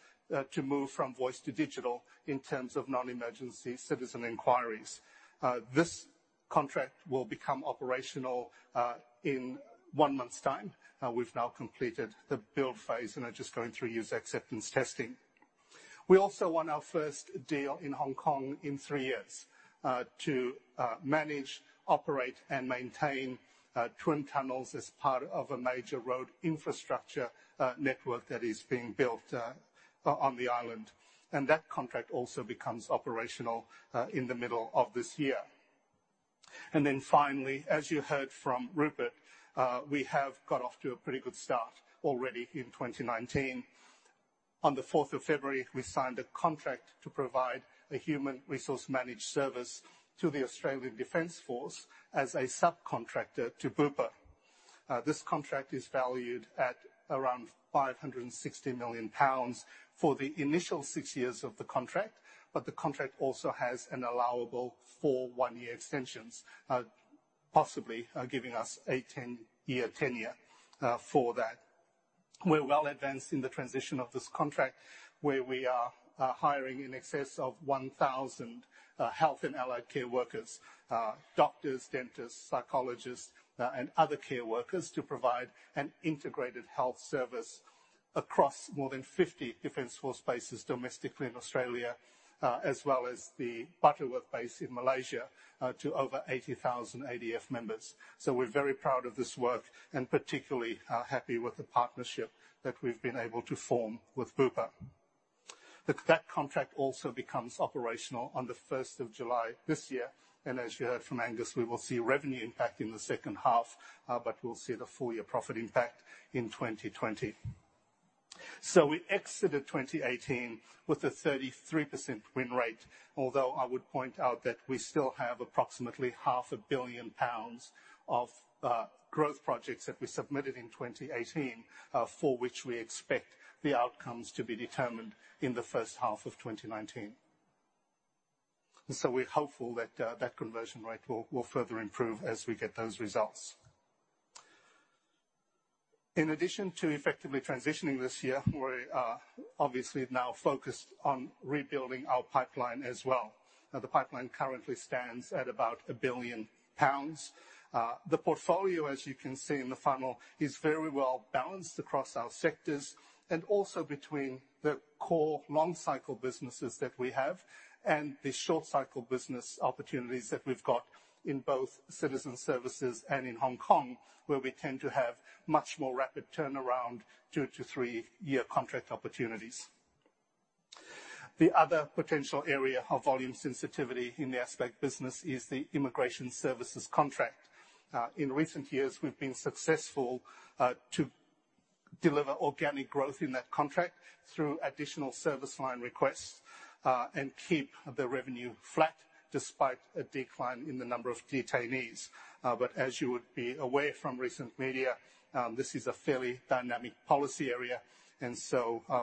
to move from voice to digital in terms of non-emergency citizen inquiries. This contract will become operational in one month's time. We've now completed the build phase and are just going through user acceptance testing. We also won our first deal in Hong Kong in three years to manage, operate, and maintain twin tunnels as part of a major road infrastructure network that is being built on the island. That contract also becomes operational in the middle of this year. Finally, as you heard from Rupert, we have got off to a pretty good start already in 2019. On the 4th of February, we signed a contract to provide a human resource managed service to the Australian Defence Force as a subcontractor to Bupa. This contract is valued at around 560 million pounds for the initial six years of the contract, but the contract also has an allowable four one-year extensions, possibly giving us a 10-year tenure for that. We're well advanced in the transition of this contract, where we are hiring in excess of 1,000 health and allied care workers, doctors, dentists, psychologists, and other care workers to provide an integrated health service across more than 50 Defence Force bases domestically in Australia, as well as the Butterworth base in Malaysia to over 80,000 ADF members. We're very proud of this work and particularly happy with the partnership that we've been able to form with Bupa. That contract also becomes operational on the 1st of July this year, as you heard from Angus, we will see a revenue impact in the second half, but we'll see the full-year profit impact in 2020. We exited 2018 with a 33% win rate, although I would point out that we still have approximately half a billion GBP of growth projects that we submitted in 2018, for which we expect the outcomes to be determined in the first half of 2019. We're hopeful that that conversion rate will further improve as we get those results. In addition to effectively transitioning this year, we are obviously now focused on rebuilding our pipeline as well. The pipeline currently stands at about 1 billion pounds. The portfolio, as you can see in the funnel, is very well-balanced across our sectors, also between the core long cycle businesses that we have and the short cycle business opportunities that we've got in both citizen services and in Hong Kong, where we tend to have much more rapid turnaround due to three-year contract opportunities. The other potential area of volume sensitivity in the ASPAC business is the immigration services contract. In recent years, we've been successful to deliver organic growth in that contract through additional service line requests, and keep the revenue flat despite a decline in the number of detainees. As you would be aware from recent media, this is a fairly dynamic policy area.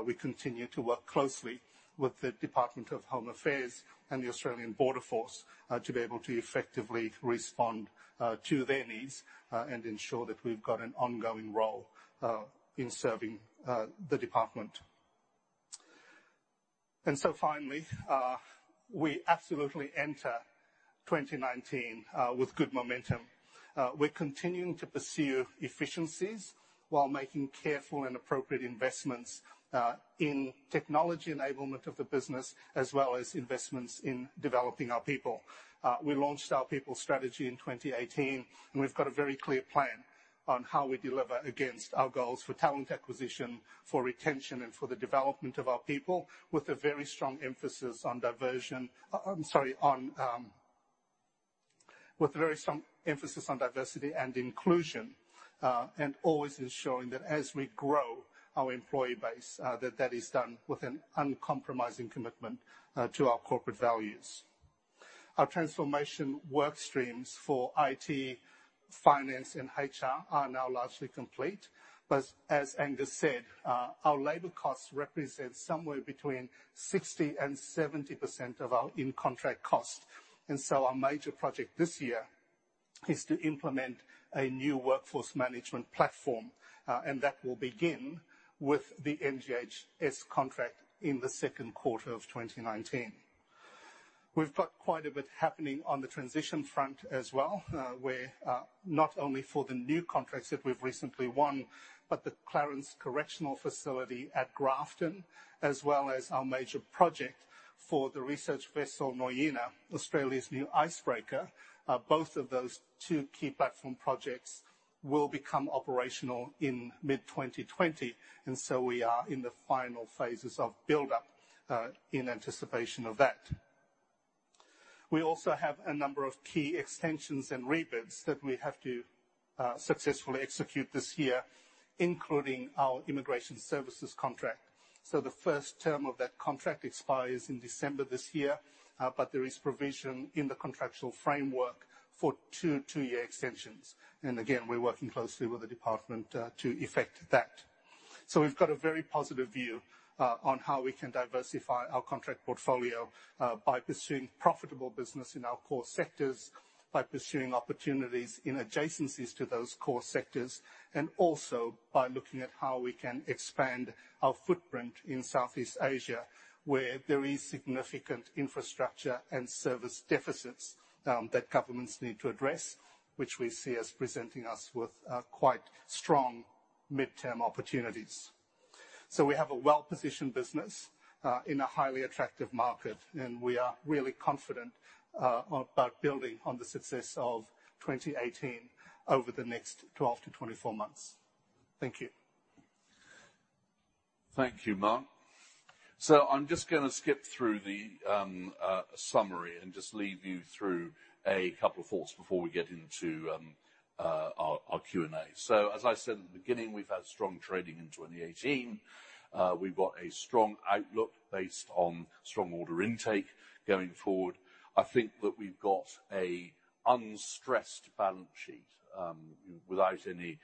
We continue to work closely with the Department of Home Affairs and the Australian Border Force to be able to effectively respond to their needs and ensure that we've got an ongoing role in serving the department. Finally, we absolutely enter 2019 with good momentum. We're continuing to pursue efficiencies while making careful and appropriate investments in technology enablement of the business, as well as investments in developing our people. We launched our people strategy in 2018. We've got a very clear plan on how we deliver against our goals for talent acquisition, for retention, and for the development of our people with a very strong emphasis on diversity. I'm sorry, with a very strong emphasis on diversity and inclusion. Always ensuring that as we grow our employee base, that that is done with an uncompromising commitment to our corporate values. Our transformation work streams for IT, finance, and HR are now largely complete. As Angus said, our labor costs represent somewhere between 60%-70% of our in-contract costs. Our major project this year is to implement a new workforce management platform, and that will begin with the NGHS contract in the second quarter of 2019. We've got quite a bit happening on the transition front as well, where not only for the new contracts that we've recently won, but the Clarence Correctional Facility at Grafton, as well as our major project for the research vessel Nuyina, Australia's new icebreaker. Both of those two key platform projects will become operational in mid-2020. We are in the final phases of build-up, in anticipation of that. We also have a number of key extensions and rebids that we have to successfully execute this year, including our immigration services contract. The first term of that contract expires in December this year, but there is provision in the contractual framework for two two-year extensions. Again, we're working closely with the department to effect that. We've got a very positive view on how we can diversify our contract portfolio, by pursuing profitable business in our core sectors, by pursuing opportunities in adjacencies to those core sectors, and also by looking at how we can expand our footprint in Southeast Asia, where there is significant infrastructure and service deficits that governments need to address, which we see as presenting us with quite strong mid-term opportunities. We have a well-positioned business in a highly attractive market, and we are really confident about building on the success of 2018 over the next 12-24 months. Thank you. Thank you, Mark. I'm just going to skip through the summary and just lead you through a couple of thoughts before we get into our Q&A. As I said at the beginning, we've had strong trading in 2018. We've got a strong outlook based on strong order intake going forward. I think that we've got an unstressed balance sheet, without any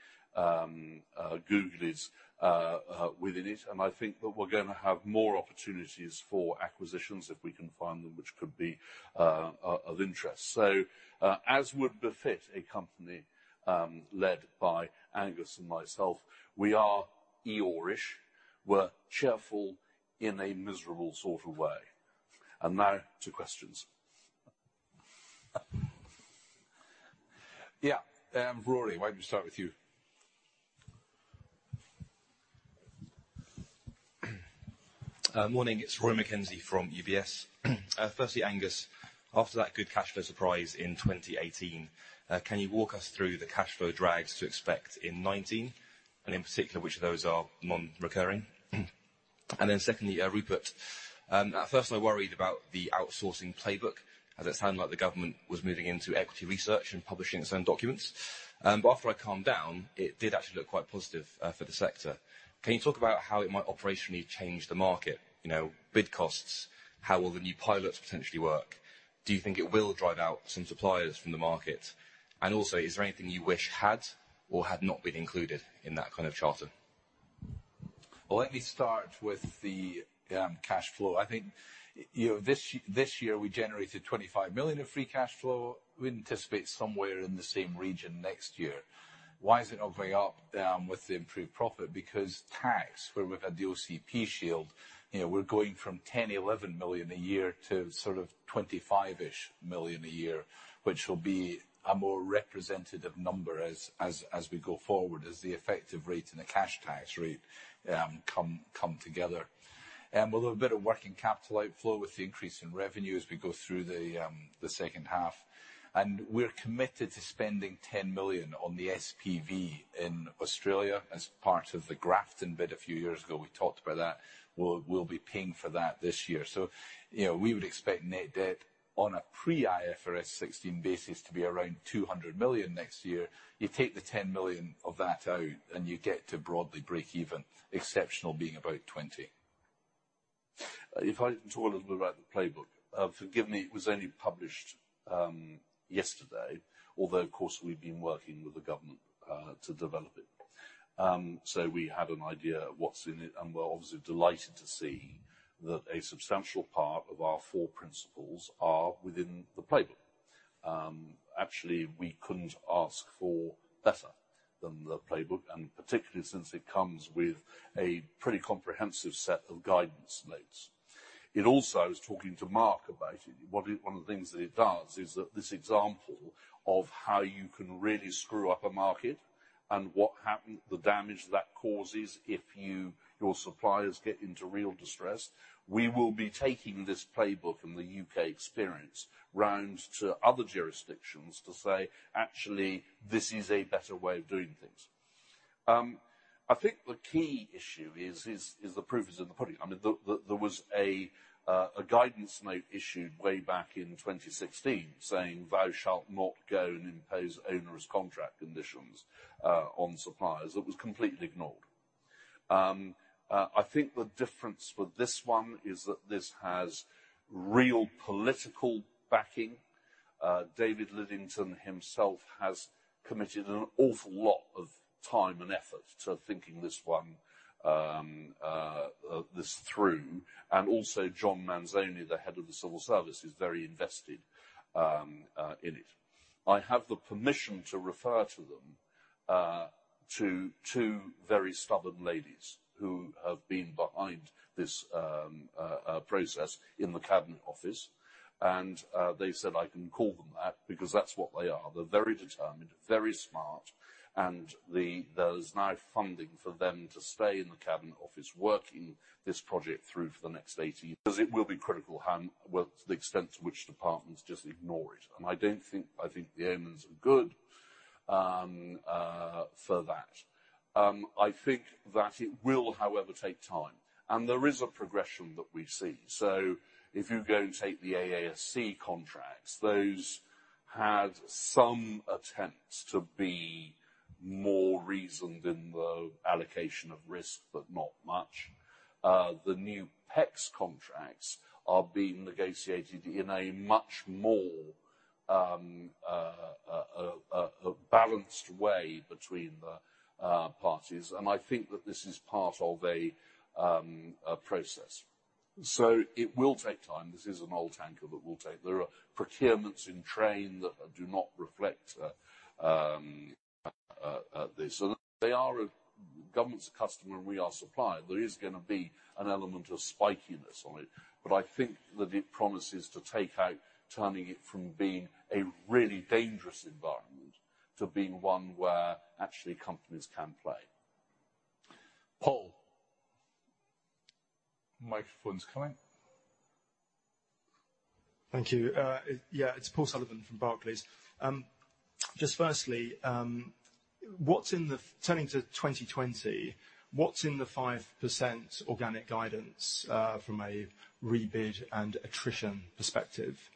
googlies within it. I think that we're going to have more opportunities for acquisitions if we can find them, which could be of interest. As would befit a company led by Angus and myself, we are Eeyore-ish. We're cheerful in a miserable sort of way. Now to questions. Yeah, Rory, why don't we start with you? Morning, it's Rory McKenzie from UBS. Firstly, Angus, after that good cash flow surprise in 2018, can you walk us through the cash flow drags to expect in 2019, in particular, which of those are non-recurring? Secondly, Rupert, at first I worried about the Outsourcing Playbook, as it sounded like the government was moving into equity research and publishing its own documents. After I calmed down, it did actually look quite positive for the sector. Can you talk about how it might operationally change the market? Bid costs, how will the new pilots potentially work? Do you think it will drive out some suppliers from the market? Also, is there anything you wish had or had not been included in that kind of charter? Well, let me start with the cash flow. I think this year we generated 25 million of free cash flow. We anticipate somewhere in the same region next year. Why is it not very up with the improved profit? Because tax, where with the OCP shield, we're going from 10 million, 11 million a year to sort of 25 million a year, which will be a more representative number as we go forward as the effective rate and the cash tax rate come together. With a bit of working capital outflow with the increase in revenue as we go through the second half. We're committed to spending 10 million on the SPV in Australia as part of the Grafton bid a few years ago. We talked about that. We'll be paying for that this year. We would expect net debt on a pre-IFRS 16 basis to be around 200 million next year. You take the 10 million of that out, you get to broadly break even, exceptional being about 20 million. If I talk a little bit about the playbook. Forgive me, it was only published yesterday. Although, of course, we've been working with the government to develop it. We had an idea of what's in it, and we're obviously delighted to see that a substantial part of our four principles are within the playbook. Actually, we couldn't ask for better than the playbook, and particularly since it comes with a pretty comprehensive set of guidance notes. It also, I was talking to Mark about it, one of the things that it does is that this example of how you can really screw up a market and the damage that causes if your suppliers get into real distress. We will be taking this playbook and the U.K. experience round to other jurisdictions to say, "Actually, this is a better way of doing things." I think the key issue is the proof is in the pudding. There was a guidance note issued way back in 2016 saying, "Thou shalt not go and impose onerous contract conditions on suppliers." That was completely ignored. I think the difference with this one is that this has real political backing. David Lidington himself has committed an awful lot of time and effort to thinking this one, this through, and also John Manzoni, the head of the Civil Service, is very invested in it. I have the permission to refer to them, to two very stubborn ladies who have been behind this process in the Cabinet Office, and they said I can call them that because that's what they are. They're very determined, very smart, and there is now funding for them to stay in the Cabinet Office working this project through for the next 18 Because it will be critical how well to the extent to which departments just ignore it. I think the omens are good for that. I think that it will, however, take time. There is a progression that we see. If you go and take the AASC contracts, those had some attempt to be more reasoned in the allocation of risk, but not much. The new PECS contracts are being negotiated in a much more balanced way between the parties, and I think that this is part of a process. It will take time. This is an oil tanker that will take. There are procurements in train that do not reflect this. Government's a customer, and we are supplier. There is going to be an element of spikiness on it. I think that it promises to take out turning it from being a really dangerous environment to being one where actually companies can play. Paul. Microphone's coming. Thank you. It's Paul Sullivan from Barclays. Firstly, turning to 2020, what's in the 5% organic guidance from a rebid and attrition perspective?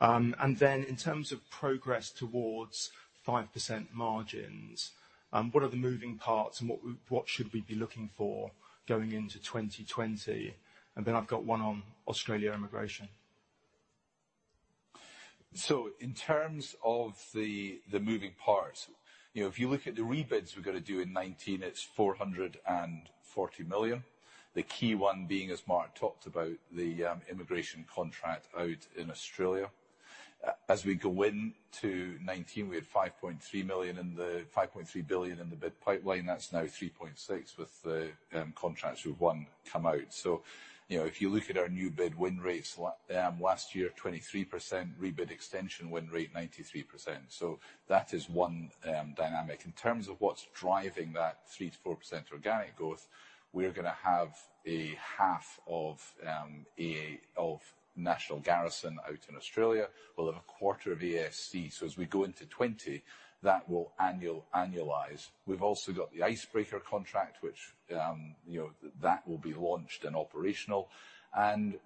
In terms of progress towards 5% margins, what are the moving parts and what should we be looking for going into 2020? I've got one on Australia immigration. In terms of the moving parts, if you look at the rebids we've got to do in 2019, it's 440 million. The key one being, as Mark Irwin talked about, the immigration contract out in Australia. As we go into 2019, we had 5.3 billion in the bid pipeline. That's now 3.6 billion, with the contracts we've won come out. If you look at our new bid win rates, last year, 23%, rebid extension win rate 93%. That is one dynamic. In terms of what's driving that 3%-4% organic growth, we are going to have a half of National Garrison out in Australia. We'll have a quarter of AASC. As we go into 2020, that will annualize. We've also got the Icebreaker contract, which that will be launched and operational.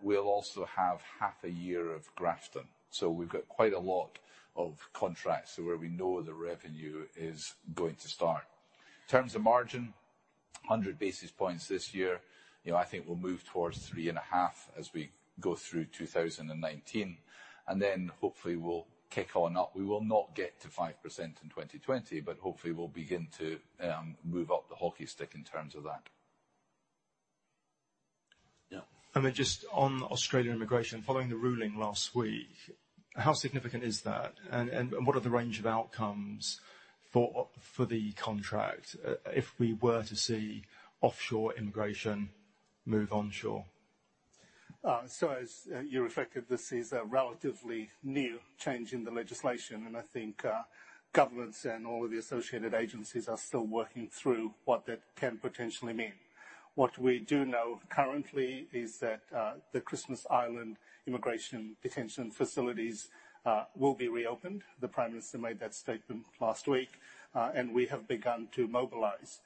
We'll also have half a year of Grafton. We've got quite a lot of contracts where we know the revenue is going to start. In terms of margin, 100 basis points this year. I think we'll move towards 3.5% as we go through 2019. Hopefully we'll kick on up. We will not get to 5% in 2020, but hopefully we'll begin to move up the hockey stick in terms of that. On Australia immigration, following the ruling last week, how significant is that, and what are the range of outcomes for the contract if we were to see offshore immigration move onshore? As you reflected, this is a relatively new change in the legislation, and I think governments and all of the associated agencies are still working through what that can potentially mean. What we do know currently is that the Christmas Island immigration detention facilities will be reopened. The Prime Minister made that statement last week. We have begun to mobilize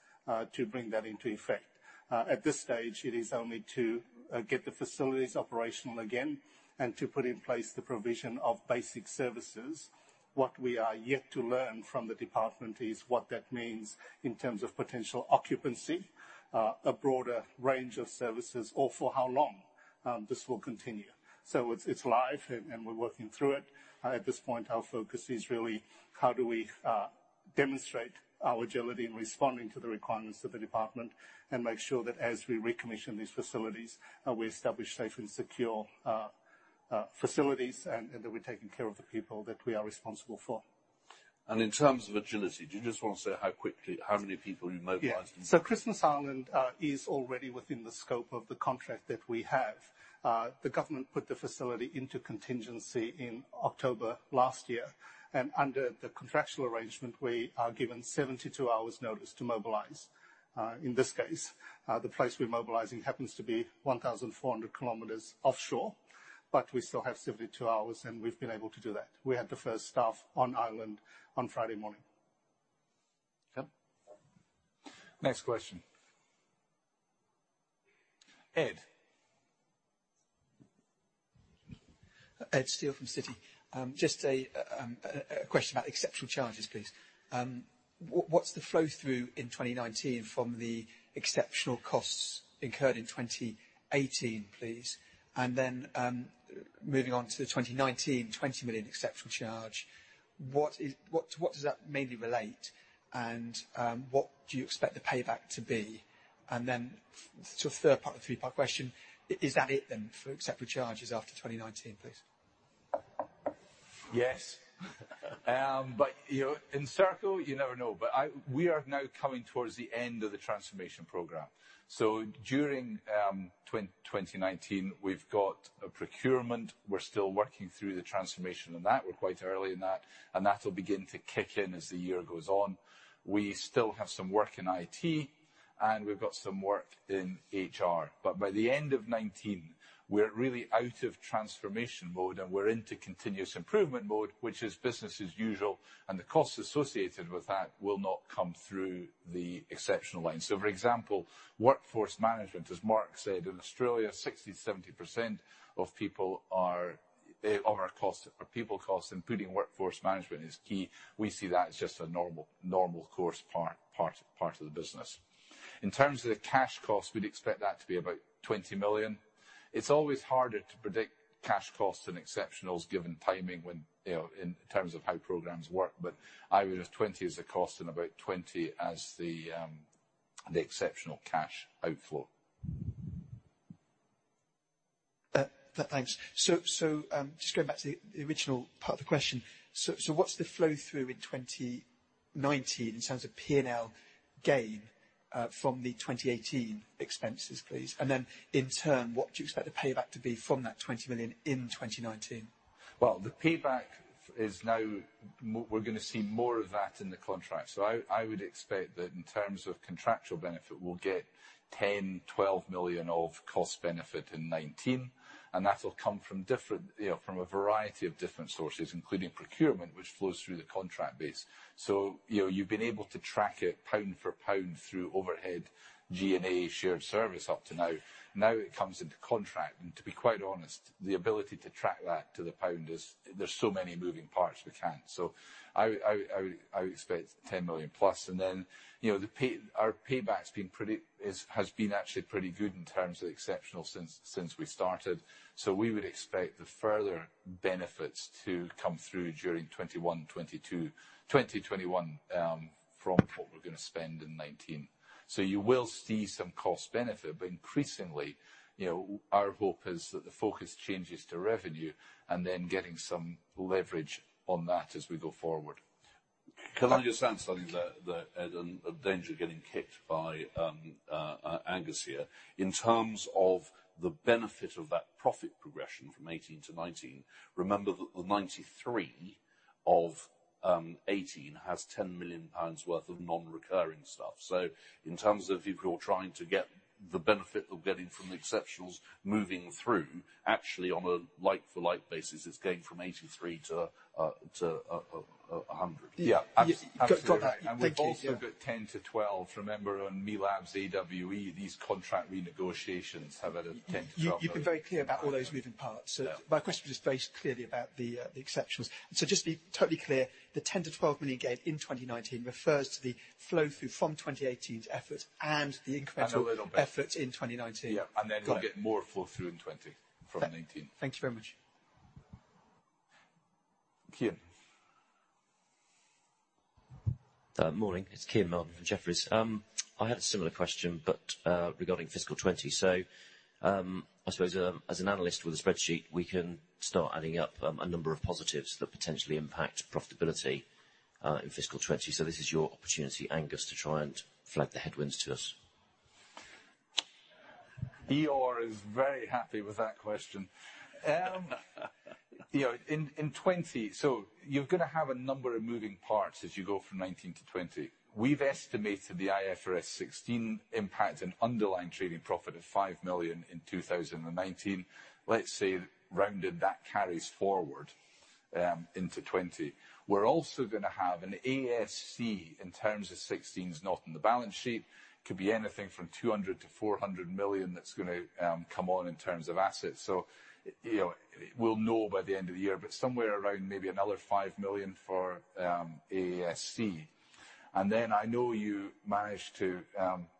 to bring that into effect. At this stage, it is only to get the facilities operational again and to put in place the provision of basic services. What we are yet to learn from the department is what that means in terms of potential occupancy, a broader range of services or for how long this will continue. It's live, and we're working through it. At this point, our focus is really how do we demonstrate our agility in responding to the requirements of the department and make sure that as we recommission these facilities, we establish safe and secure facilities and that we're taking care of the people that we are responsible for. In terms of agility, do you just want to say how many people you mobilized? Yeah. Christmas Island is already within the scope of the contract that we have. The government put the facility into contingency in October last year. Under the contractual arrangement, we are given 72 hours notice to mobilize. In this case, the place we're mobilizing happens to be 1,400 kilometers offshore, but we still have 72 hours, and we've been able to do that. We had the first staff on island on Friday morning. Okay. Next question. Ed. Ed Steele from Citi. Just a question about exceptional charges, please. What's the flow through in 2019 from the exceptional costs incurred in 2018, please? Moving on to the 2019 20 million exceptional charge, what does that mainly relate, and what do you expect the payback to be? Sort of third part of a three-part question, is that it then for exceptional charges after 2019, please? Yes. In Serco, you never know. We are now coming towards the end of the transformation program. During 2019, we've got a procurement. We're still working through the transformation on that. We're quite early in that. That'll begin to kick in as the year goes on. We still have some work in IT, and we've got some work in HR. By the end of '19, we're really out of transformation mode, and we're into continuous improvement mode, which is business as usual. The costs associated with that will not come through the exceptional line. For example, workforce management, as Mark said, in Australia, 60%-70% of our people cost, including workforce management, is key. We see that as just a normal course part of the business. In terms of the cash cost, we'd expect that to be about 20 million. It's always harder to predict cash cost and exceptionals given timing in terms of how programs work. I would have 20 as a cost and about 20 as the exceptional cash outflow. Just going back to the original part of the question, what's the flow through in 2019 in terms of P&L gain from the 2018 expenses, please? In turn, what do you expect the payback to be from that 20 million in 2019? Well, the payback, we're going to see more of that in the contract. I would expect that in terms of contractual benefit, we'll get 10 million-12 million of cost benefit in 2019, and that'll come from a variety of different sources, including procurement, which flows through the contract base. You've been able to track it pound for pound through overhead G&A shared service up to now. Now it comes into contract, and to be quite honest, the ability to track that to the pound, there's so many moving parts, we can't. I would expect 10 million plus. Our payback has been actually pretty good in terms of exceptional since we started. We would expect the further benefits to come through during 2021, 2022. 2021 from what we're going to spend in 2019. You will see some cost benefit, but increasingly, our hope is that the focus changes to revenue and then getting some leverage on that as we go forward. Can I just answer, Ed Steel, in danger of getting kicked by Angus Cockburn here. In terms of the benefit of that profit progression from 2018 to 2019, remember that the 93 of 2018 has 10 million pounds worth of non-recurring stuff. In terms of if you're trying to get the benefit of getting from the exceptionals moving through, actually on a like for like basis, it's going from 83 to 100. Yeah. Absolutely. Got it. Thank you. We're talking about 10 to 12. Remember on ME Labs AWE, these contract renegotiations have had a 10 million-12 million- You've been very clear about all those moving parts. Yeah. My question was just based clearly about the exceptionals. Just to be totally clear, the 10 million-12 million gain in 2019 refers to the flow through from 2018's efforts and the incremental- A little bit efforts in 2019. Yeah. Got it. We'll get more flow through in 2020 from 2019. Thank you very much. Kean. Morning. It's Kean Marden from Jefferies. I had a similar question, but regarding fiscal 2020. I suppose, as an analyst with a spreadsheet, we can start adding up a number of positives that potentially impact profitability in fiscal 2020. This is your opportunity, Angus, to try and flag the headwinds to us. Eeyore is very happy with that question. In 2020, you're going to have a number of moving parts as you go from 2019 to 2020. We've estimated the IFRS 16 impact, an underlying trading profit of 5 million in 2019. Let's say rounded that carries forward into 2020. We're also going to have an AASC in terms of IFRS 16 not in the balance sheet. Could be anything from 200 million to 400 million that's going to come on in terms of assets. We'll know by the end of the year, but somewhere around maybe another 5 million for AASC. I know you managed to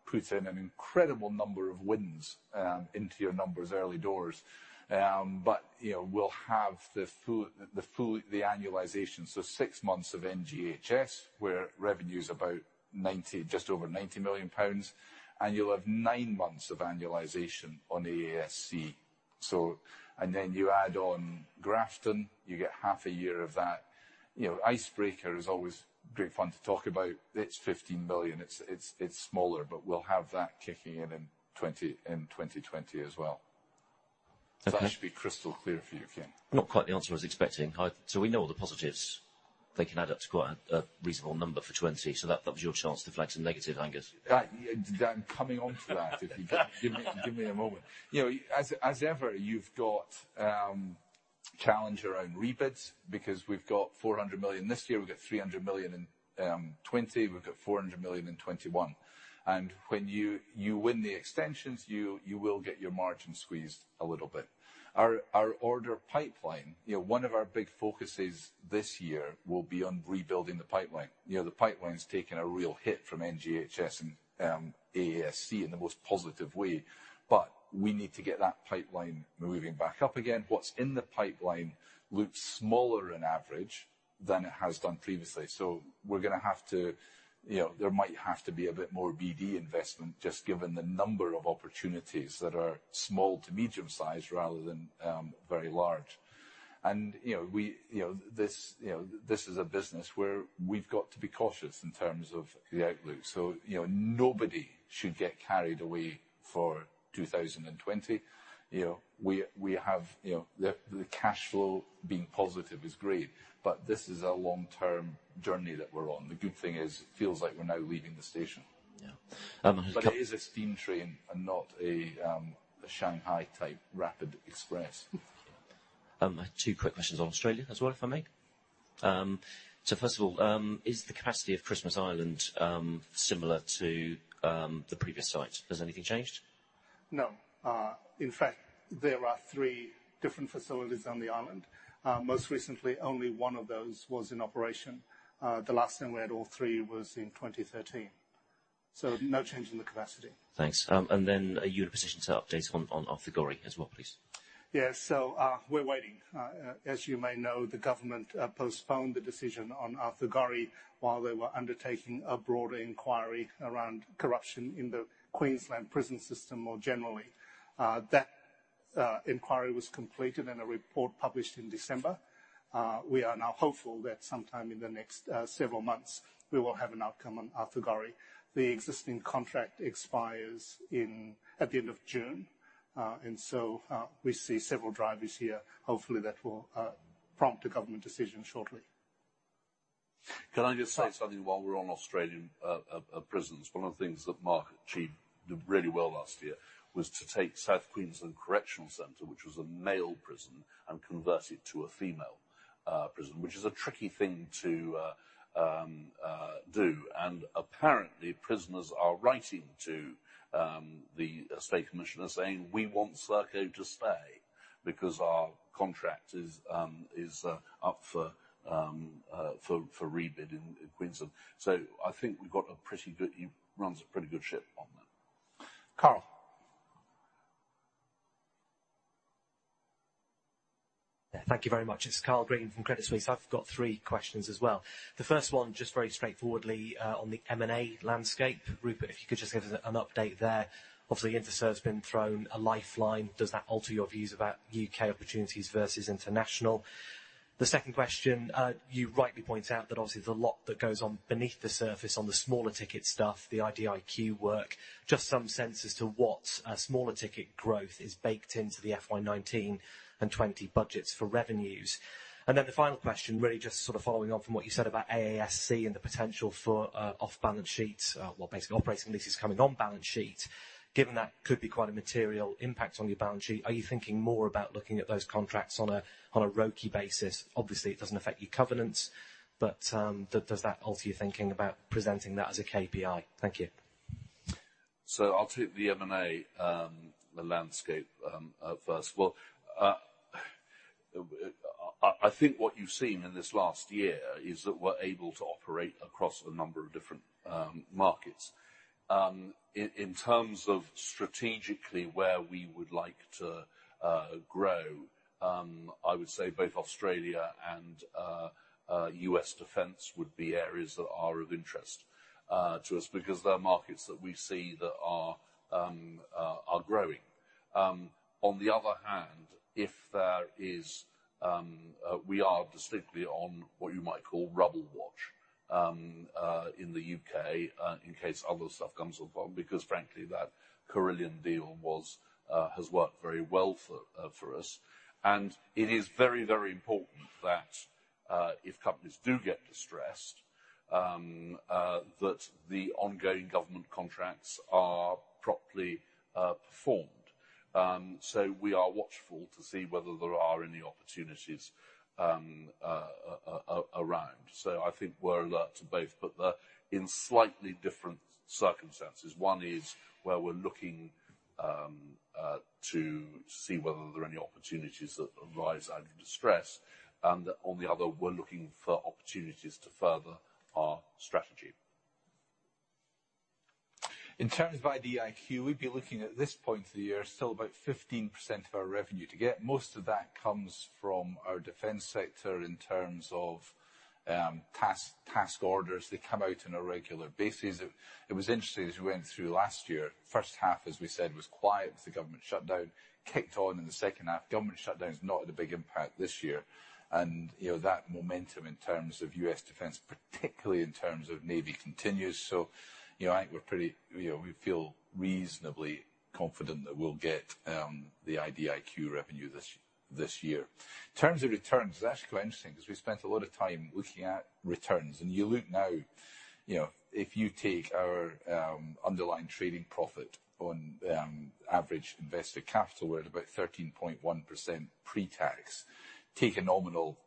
put in an incredible number of wins into your numbers early doors. We'll have the annualization, six months of NGHS, where revenue is about just over 90 million pounds, and you'll have nine months of annualization on AASC. You add on Grafton, you get half a year of that. Icebreaker is always great fun to talk about. It is 15 million. It is smaller, we'll have that kicking in in 2020 as well. Okay. That should be crystal clear for you, Kian. Not quite the answer I was expecting. We know all the positives. They can add up to quite a reasonable number for 2020. That was your chance to flag some negatives, Angus. I'm coming on to that. Give me a moment. As ever, you've got challenge around rebids because we've got 400 million this year, we've got 300 million in 2020, we've got 400 million in 2021. When you win the extensions, you will get your margin squeezed a little bit. Our order pipeline, one of our big focuses this year will be on rebuilding the pipeline. The pipeline's taken a real hit from NGHS and AASC in the most positive way. We need to get that pipeline moving back up again. What's in the pipeline looks smaller on average than it has done previously. There might have to be a bit more BD investment just given the number of opportunities that are small to medium-sized rather than very large. This is a business where we've got to be cautious in terms of the outlook. Nobody should get carried away for 2020. The cash flow being positive is great, but this is a long-term journey that we're on. The good thing is it feels like we're now leaving the station. Yeah. It is a steam train and not a Shanghai-type rapid express. Two quick questions on Australia as well, if I may. First of all, is the capacity of Christmas Island similar to the previous site? Has anything changed? No. In fact, there are three different facilities on the island. Most recently, only one of those was in operation. The last time we had all three was in 2013. No change in the capacity. Thanks. Are you in a position to update on Arthur Gorrie as well, please? Yeah. We're waiting. As you may know, the government postponed the decision on Arthur Gorrie while they were undertaking a broader inquiry around corruption in the Queensland prison system more generally. That inquiry was completed and a report published in December. We are now hopeful that sometime in the next several months we will have an outcome on Arthur Gorrie. The existing contract expires at the end of June. We see several drivers here. Hopefully, that will prompt a government decision shortly. Can I just say something while we're on Australian prisons? One of the things that Mark did really well last year was to take South Queensland Correctional Centre, which was a male prison, and convert it to a female prison. Which is a tricky thing to do. Apparently, prisoners are writing to the state commissioner saying, "We want Serco to stay because our contract is up for rebid in Queensland." I think he runs a pretty good ship on that. Neil. Yeah. Thank you very much. It's Neil Greatrex from Credit Suisse. I've got three questions as well. The first one, just very straightforwardly on the M&A landscape. Rupert, if you could just give us an update there. Obviously, Interserve has been thrown a lifeline. Does that alter your views about U.K. opportunities versus international? The second question, you rightly point out that obviously there's a lot that goes on beneath the surface on the smaller ticket stuff, the IDIQ work. Just some sense as to what smaller ticket growth is baked into the FY 2019 and 2020 budgets for revenues. The final question, really just sort of following on from what you said about AASC and the potential for off-balance sheet operating leases coming on-balance sheet. Given that could be quite a material impact on your balance sheet, are you thinking more about looking at those contracts on a ROCE basis? Obviously, it doesn't affect your covenants, but does that alter your thinking about presenting that as a KPI? Thank you. I'll take the M&A landscape first. I think what you've seen in this last year is that we're able to operate across a number of different markets. In terms of strategically where we would like to grow, I would say both Australia and U.S. defense would be areas that are of interest to us because they're markets that we see that are growing. On the other hand, we are distinctly on what you might call rubble watch in the U.K., in case other stuff comes up, because frankly, that Carillion deal has worked very well for us. It is very important that if companies do get distressed, that the ongoing government contracts are properly performed. We are watchful to see whether there are any opportunities around. I think we're alert to both, but they're in slightly different circumstances. One is where we're looking to see whether there are any opportunities that arise out of distress. On the other, we're looking for opportunities to further our strategy. In terms of IDIQ, we'd be looking at this point of the year, still about 15% of our revenue to get. Most of that comes from our defense sector in terms of task orders that come out on a regular basis. It was interesting as we went through last year, first half, as we said, was quiet with the government shutdown. Kicked on in the second half. Government shutdown is not the big impact this year. That momentum in terms of U.S. defense, particularly in terms of Navy, continues. I think we feel reasonably confident that we'll get the IDIQ revenue this year. In terms of returns, that's quite interesting, because we spent a lot of time looking at returns. You look now, if you take our underlying trading profit on average invested capital, we're at about 13.1% pre-tax. Take a nominal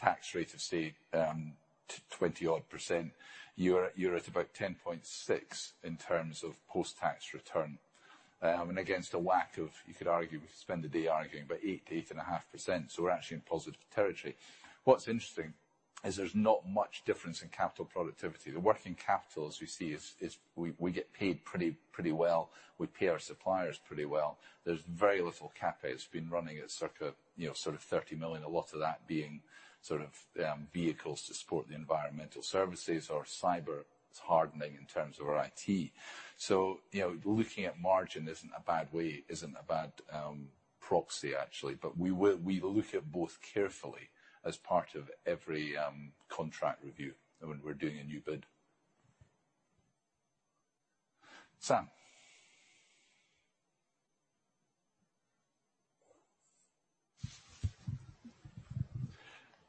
tax rate of, say, 20-odd%, you're at about 10.6% in terms of post-tax return. Against a WACC of, you could argue, we could spend the day arguing, but 8.5%. We're actually in positive territory. What's interesting is there's not much difference in capital productivity. The working capital, as we see, we get paid pretty well. We pay our suppliers pretty well. There's very little CapEx. Been running at circa sort of 30 million, a lot of that being vehicles to support the environmental services or cyber hardening in terms of our IT. Looking at margin isn't a bad way, isn't a bad proxy, actually. We look at both carefully as part of every contract review when we're doing a new bid. Sam.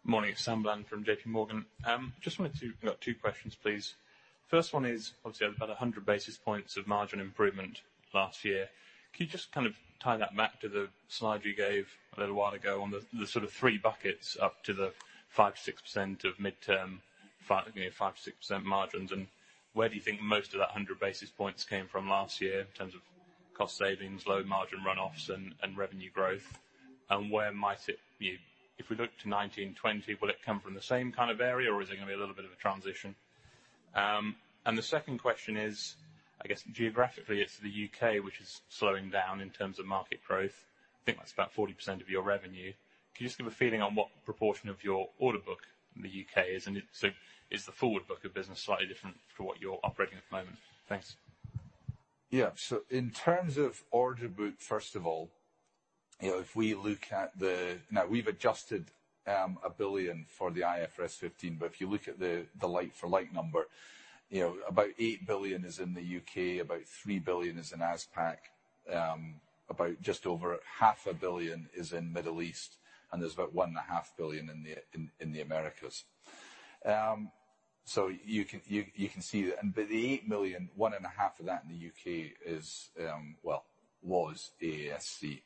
Morning. Simon Bland from JP Morgan. Got two questions, please. First one is, obviously, about 100 basis points of margin improvement last year. Can you just kind of tie that back to the slide you gave a little while ago on the sort of three buckets up to the 5%-6% of midterm, 5%-6% margins? Where do you think most of that 100 basis points came from last year in terms of cost savings, low margin runoffs and revenue growth? Where might it be? If we look to 2019, 2020, will it come from the same kind of area, or is it going to be a little bit of a transition? The second question is, I guess geographically, it's the U.K. which is slowing down in terms of market growth. I think that's about 40% of your revenue. Can you just give a feeling on what proportion of your order book in the U.K. is? Is the forward book of business slightly different to what you are operating at the moment? Thanks. Yeah. In terms of order book, first of all, if we look at the— Now, we have adjusted 1 billion for the IFRS 15, but if you look at the like-for-like number, about 8 billion is in the U.K., about 3 billion is in ASPAC, about just over half a billion is in Middle East, and there is about 1.5 billion in the Americas. You can see that. The 8 billion, 1.5 billion of that in the U.K., well, was AASC.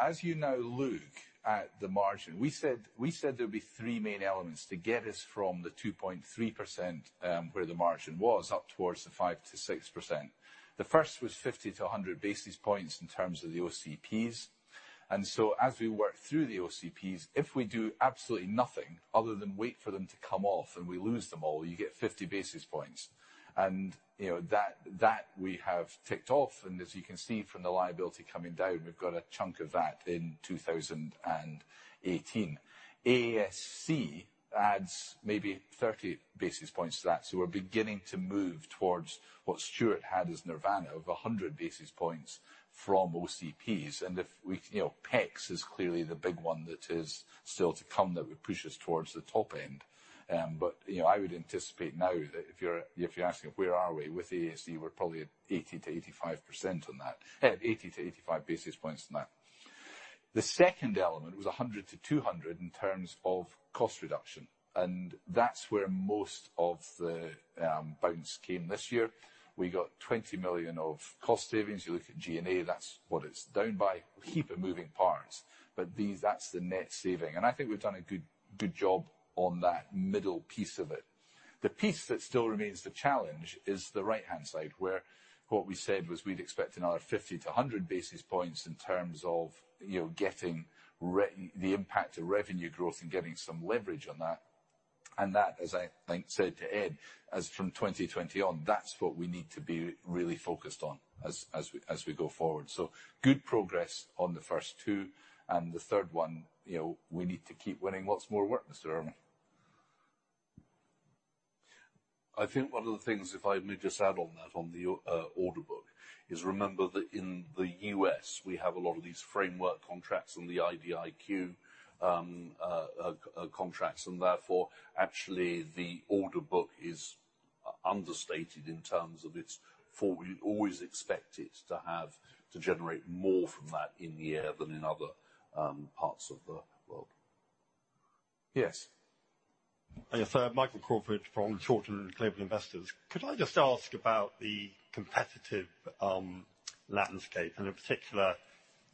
As you now look at the margin, we said there will be three main elements to get us from the 2.3%, where the margin was, up towards the 5%-6%. The first was 50-100 basis points in terms of the OCPs. As we work through the OCPs, if we do absolutely nothing other than wait for them to come off and we lose them all, you get 50 basis points. That we have ticked off. As you can see from the liability coming down, we have got a chunk of that in 2018. AASC adds maybe 30 basis points to that. We are beginning to move towards what Stuart had as nirvana of 100 basis points from OCPs. PECS is clearly the big one that is still to come that would push us towards the top end. I would anticipate now that if you are asking where are we with AASC, we are probably at 80-85 basis points on that. The second element was 100-200 in terms of cost reduction, that's where most of the bounce came this year. We got 20 million of cost savings. You look at G&A, that's what it's down by. Heap of moving parts. That's the net saving. I think we've done a good job on that middle piece of it. The piece that still remains the challenge is the right-hand side, where what we said was we'd expect another 50-100 basis points in terms of getting the impact of revenue growth and getting some leverage on that. That, as I think said to Ed, as from 2020 on, that's what we need to be really focused on as we go forward. Good progress on the first two, the third one, we need to keep winning lots more work, Simon. I think one of the things, if I may just add on that, on the order book, is remember that in the U.S., we have a lot of these framework contracts and the IDIQ contracts, therefore, actually, the order book is understated. We always expect it to generate more from that in the year than in other parts of the world. Yes. Yes. Michael Crawford from Shore Capital Group. Could I just ask about the competitive landscape and in particular,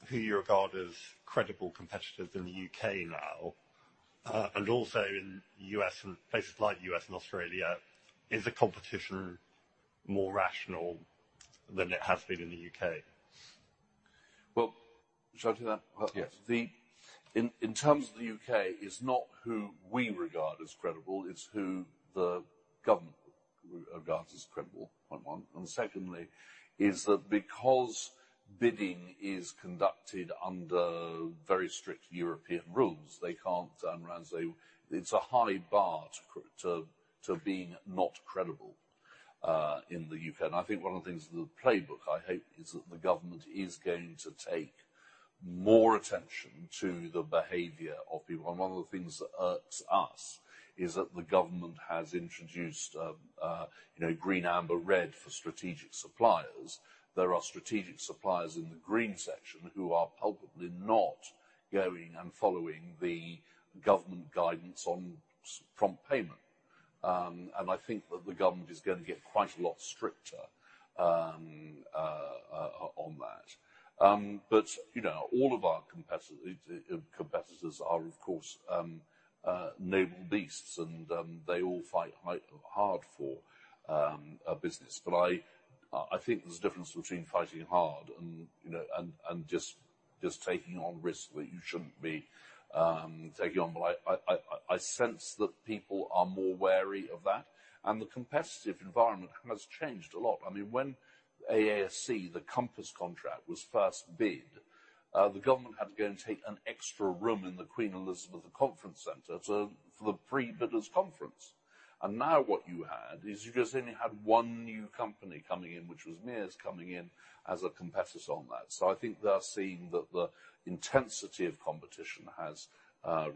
who you regard as credible competitors in the U.K. now, and also in places like the U.S. and Australia? Is the competition more rational than it has been in the U.K.? Well, shall I take that? Yes. In terms of the U.K., it's not who we regard as credible, it's who the government regards as credible, point one. Secondly, is that because bidding is conducted under very strict European rules, they can't run around, say It's a high bar to being not credible in the U.K. I think one of the things in the playbook, I hope, is that the government is going to take more attention to the behavior of people. One of the things that irks us is that the government has introduced green, amber, red for strategic suppliers. There are strategic suppliers in the green section who are palpably not going and following the government guidance on prompt payment. I think that the government is going to get quite a lot stricter on that. All of our competitors are, of course, naval beasts, and they all fight hard for business. I think there's a difference between fighting hard and just taking on risk that you shouldn't be taking on. I sense that people are more wary of that, and the competitive environment has changed a lot. When AASC, the COMPASS contract, was first bid, the government had to go and take an extra room in the Queen Elizabeth II Conference Centre for the pre-bidders conference. Now what you had is you just only had one new company coming in, which was Mears, coming in as a competitor on that. I think they're seeing that the intensity of competition has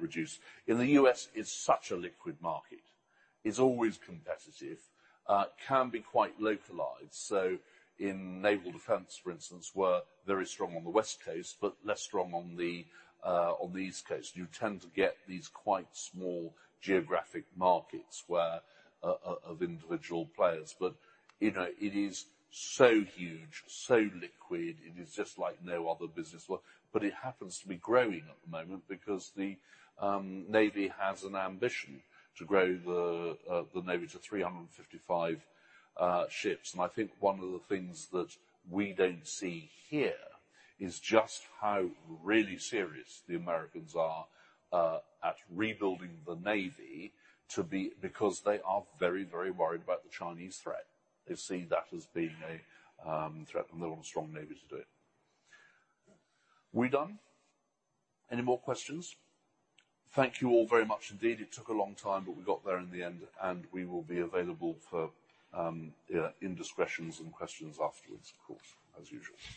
reduced. In the U.S., it's such a liquid market. It's always competitive, can be quite localized. In naval defense, for instance, where very strong on the West Coast, but less strong on the East Coast. You tend to get these quite small geographic markets of individual players. It is so huge, so liquid, it is just like no other business. It happens to be growing at the moment because the Navy has an ambition to grow the Navy to 355 ships. I think one of the things that we don't see here is just how really serious the Americans are at rebuilding the Navy to be because they are very worried about the Chinese threat. They see that as being a threat, and they want a strong Navy to do it. Are we done? Any more questions? Thank you all very much indeed. It took a long time, but we got there in the end, and we will be available for indiscretions and questions afterwards, of course, as usual.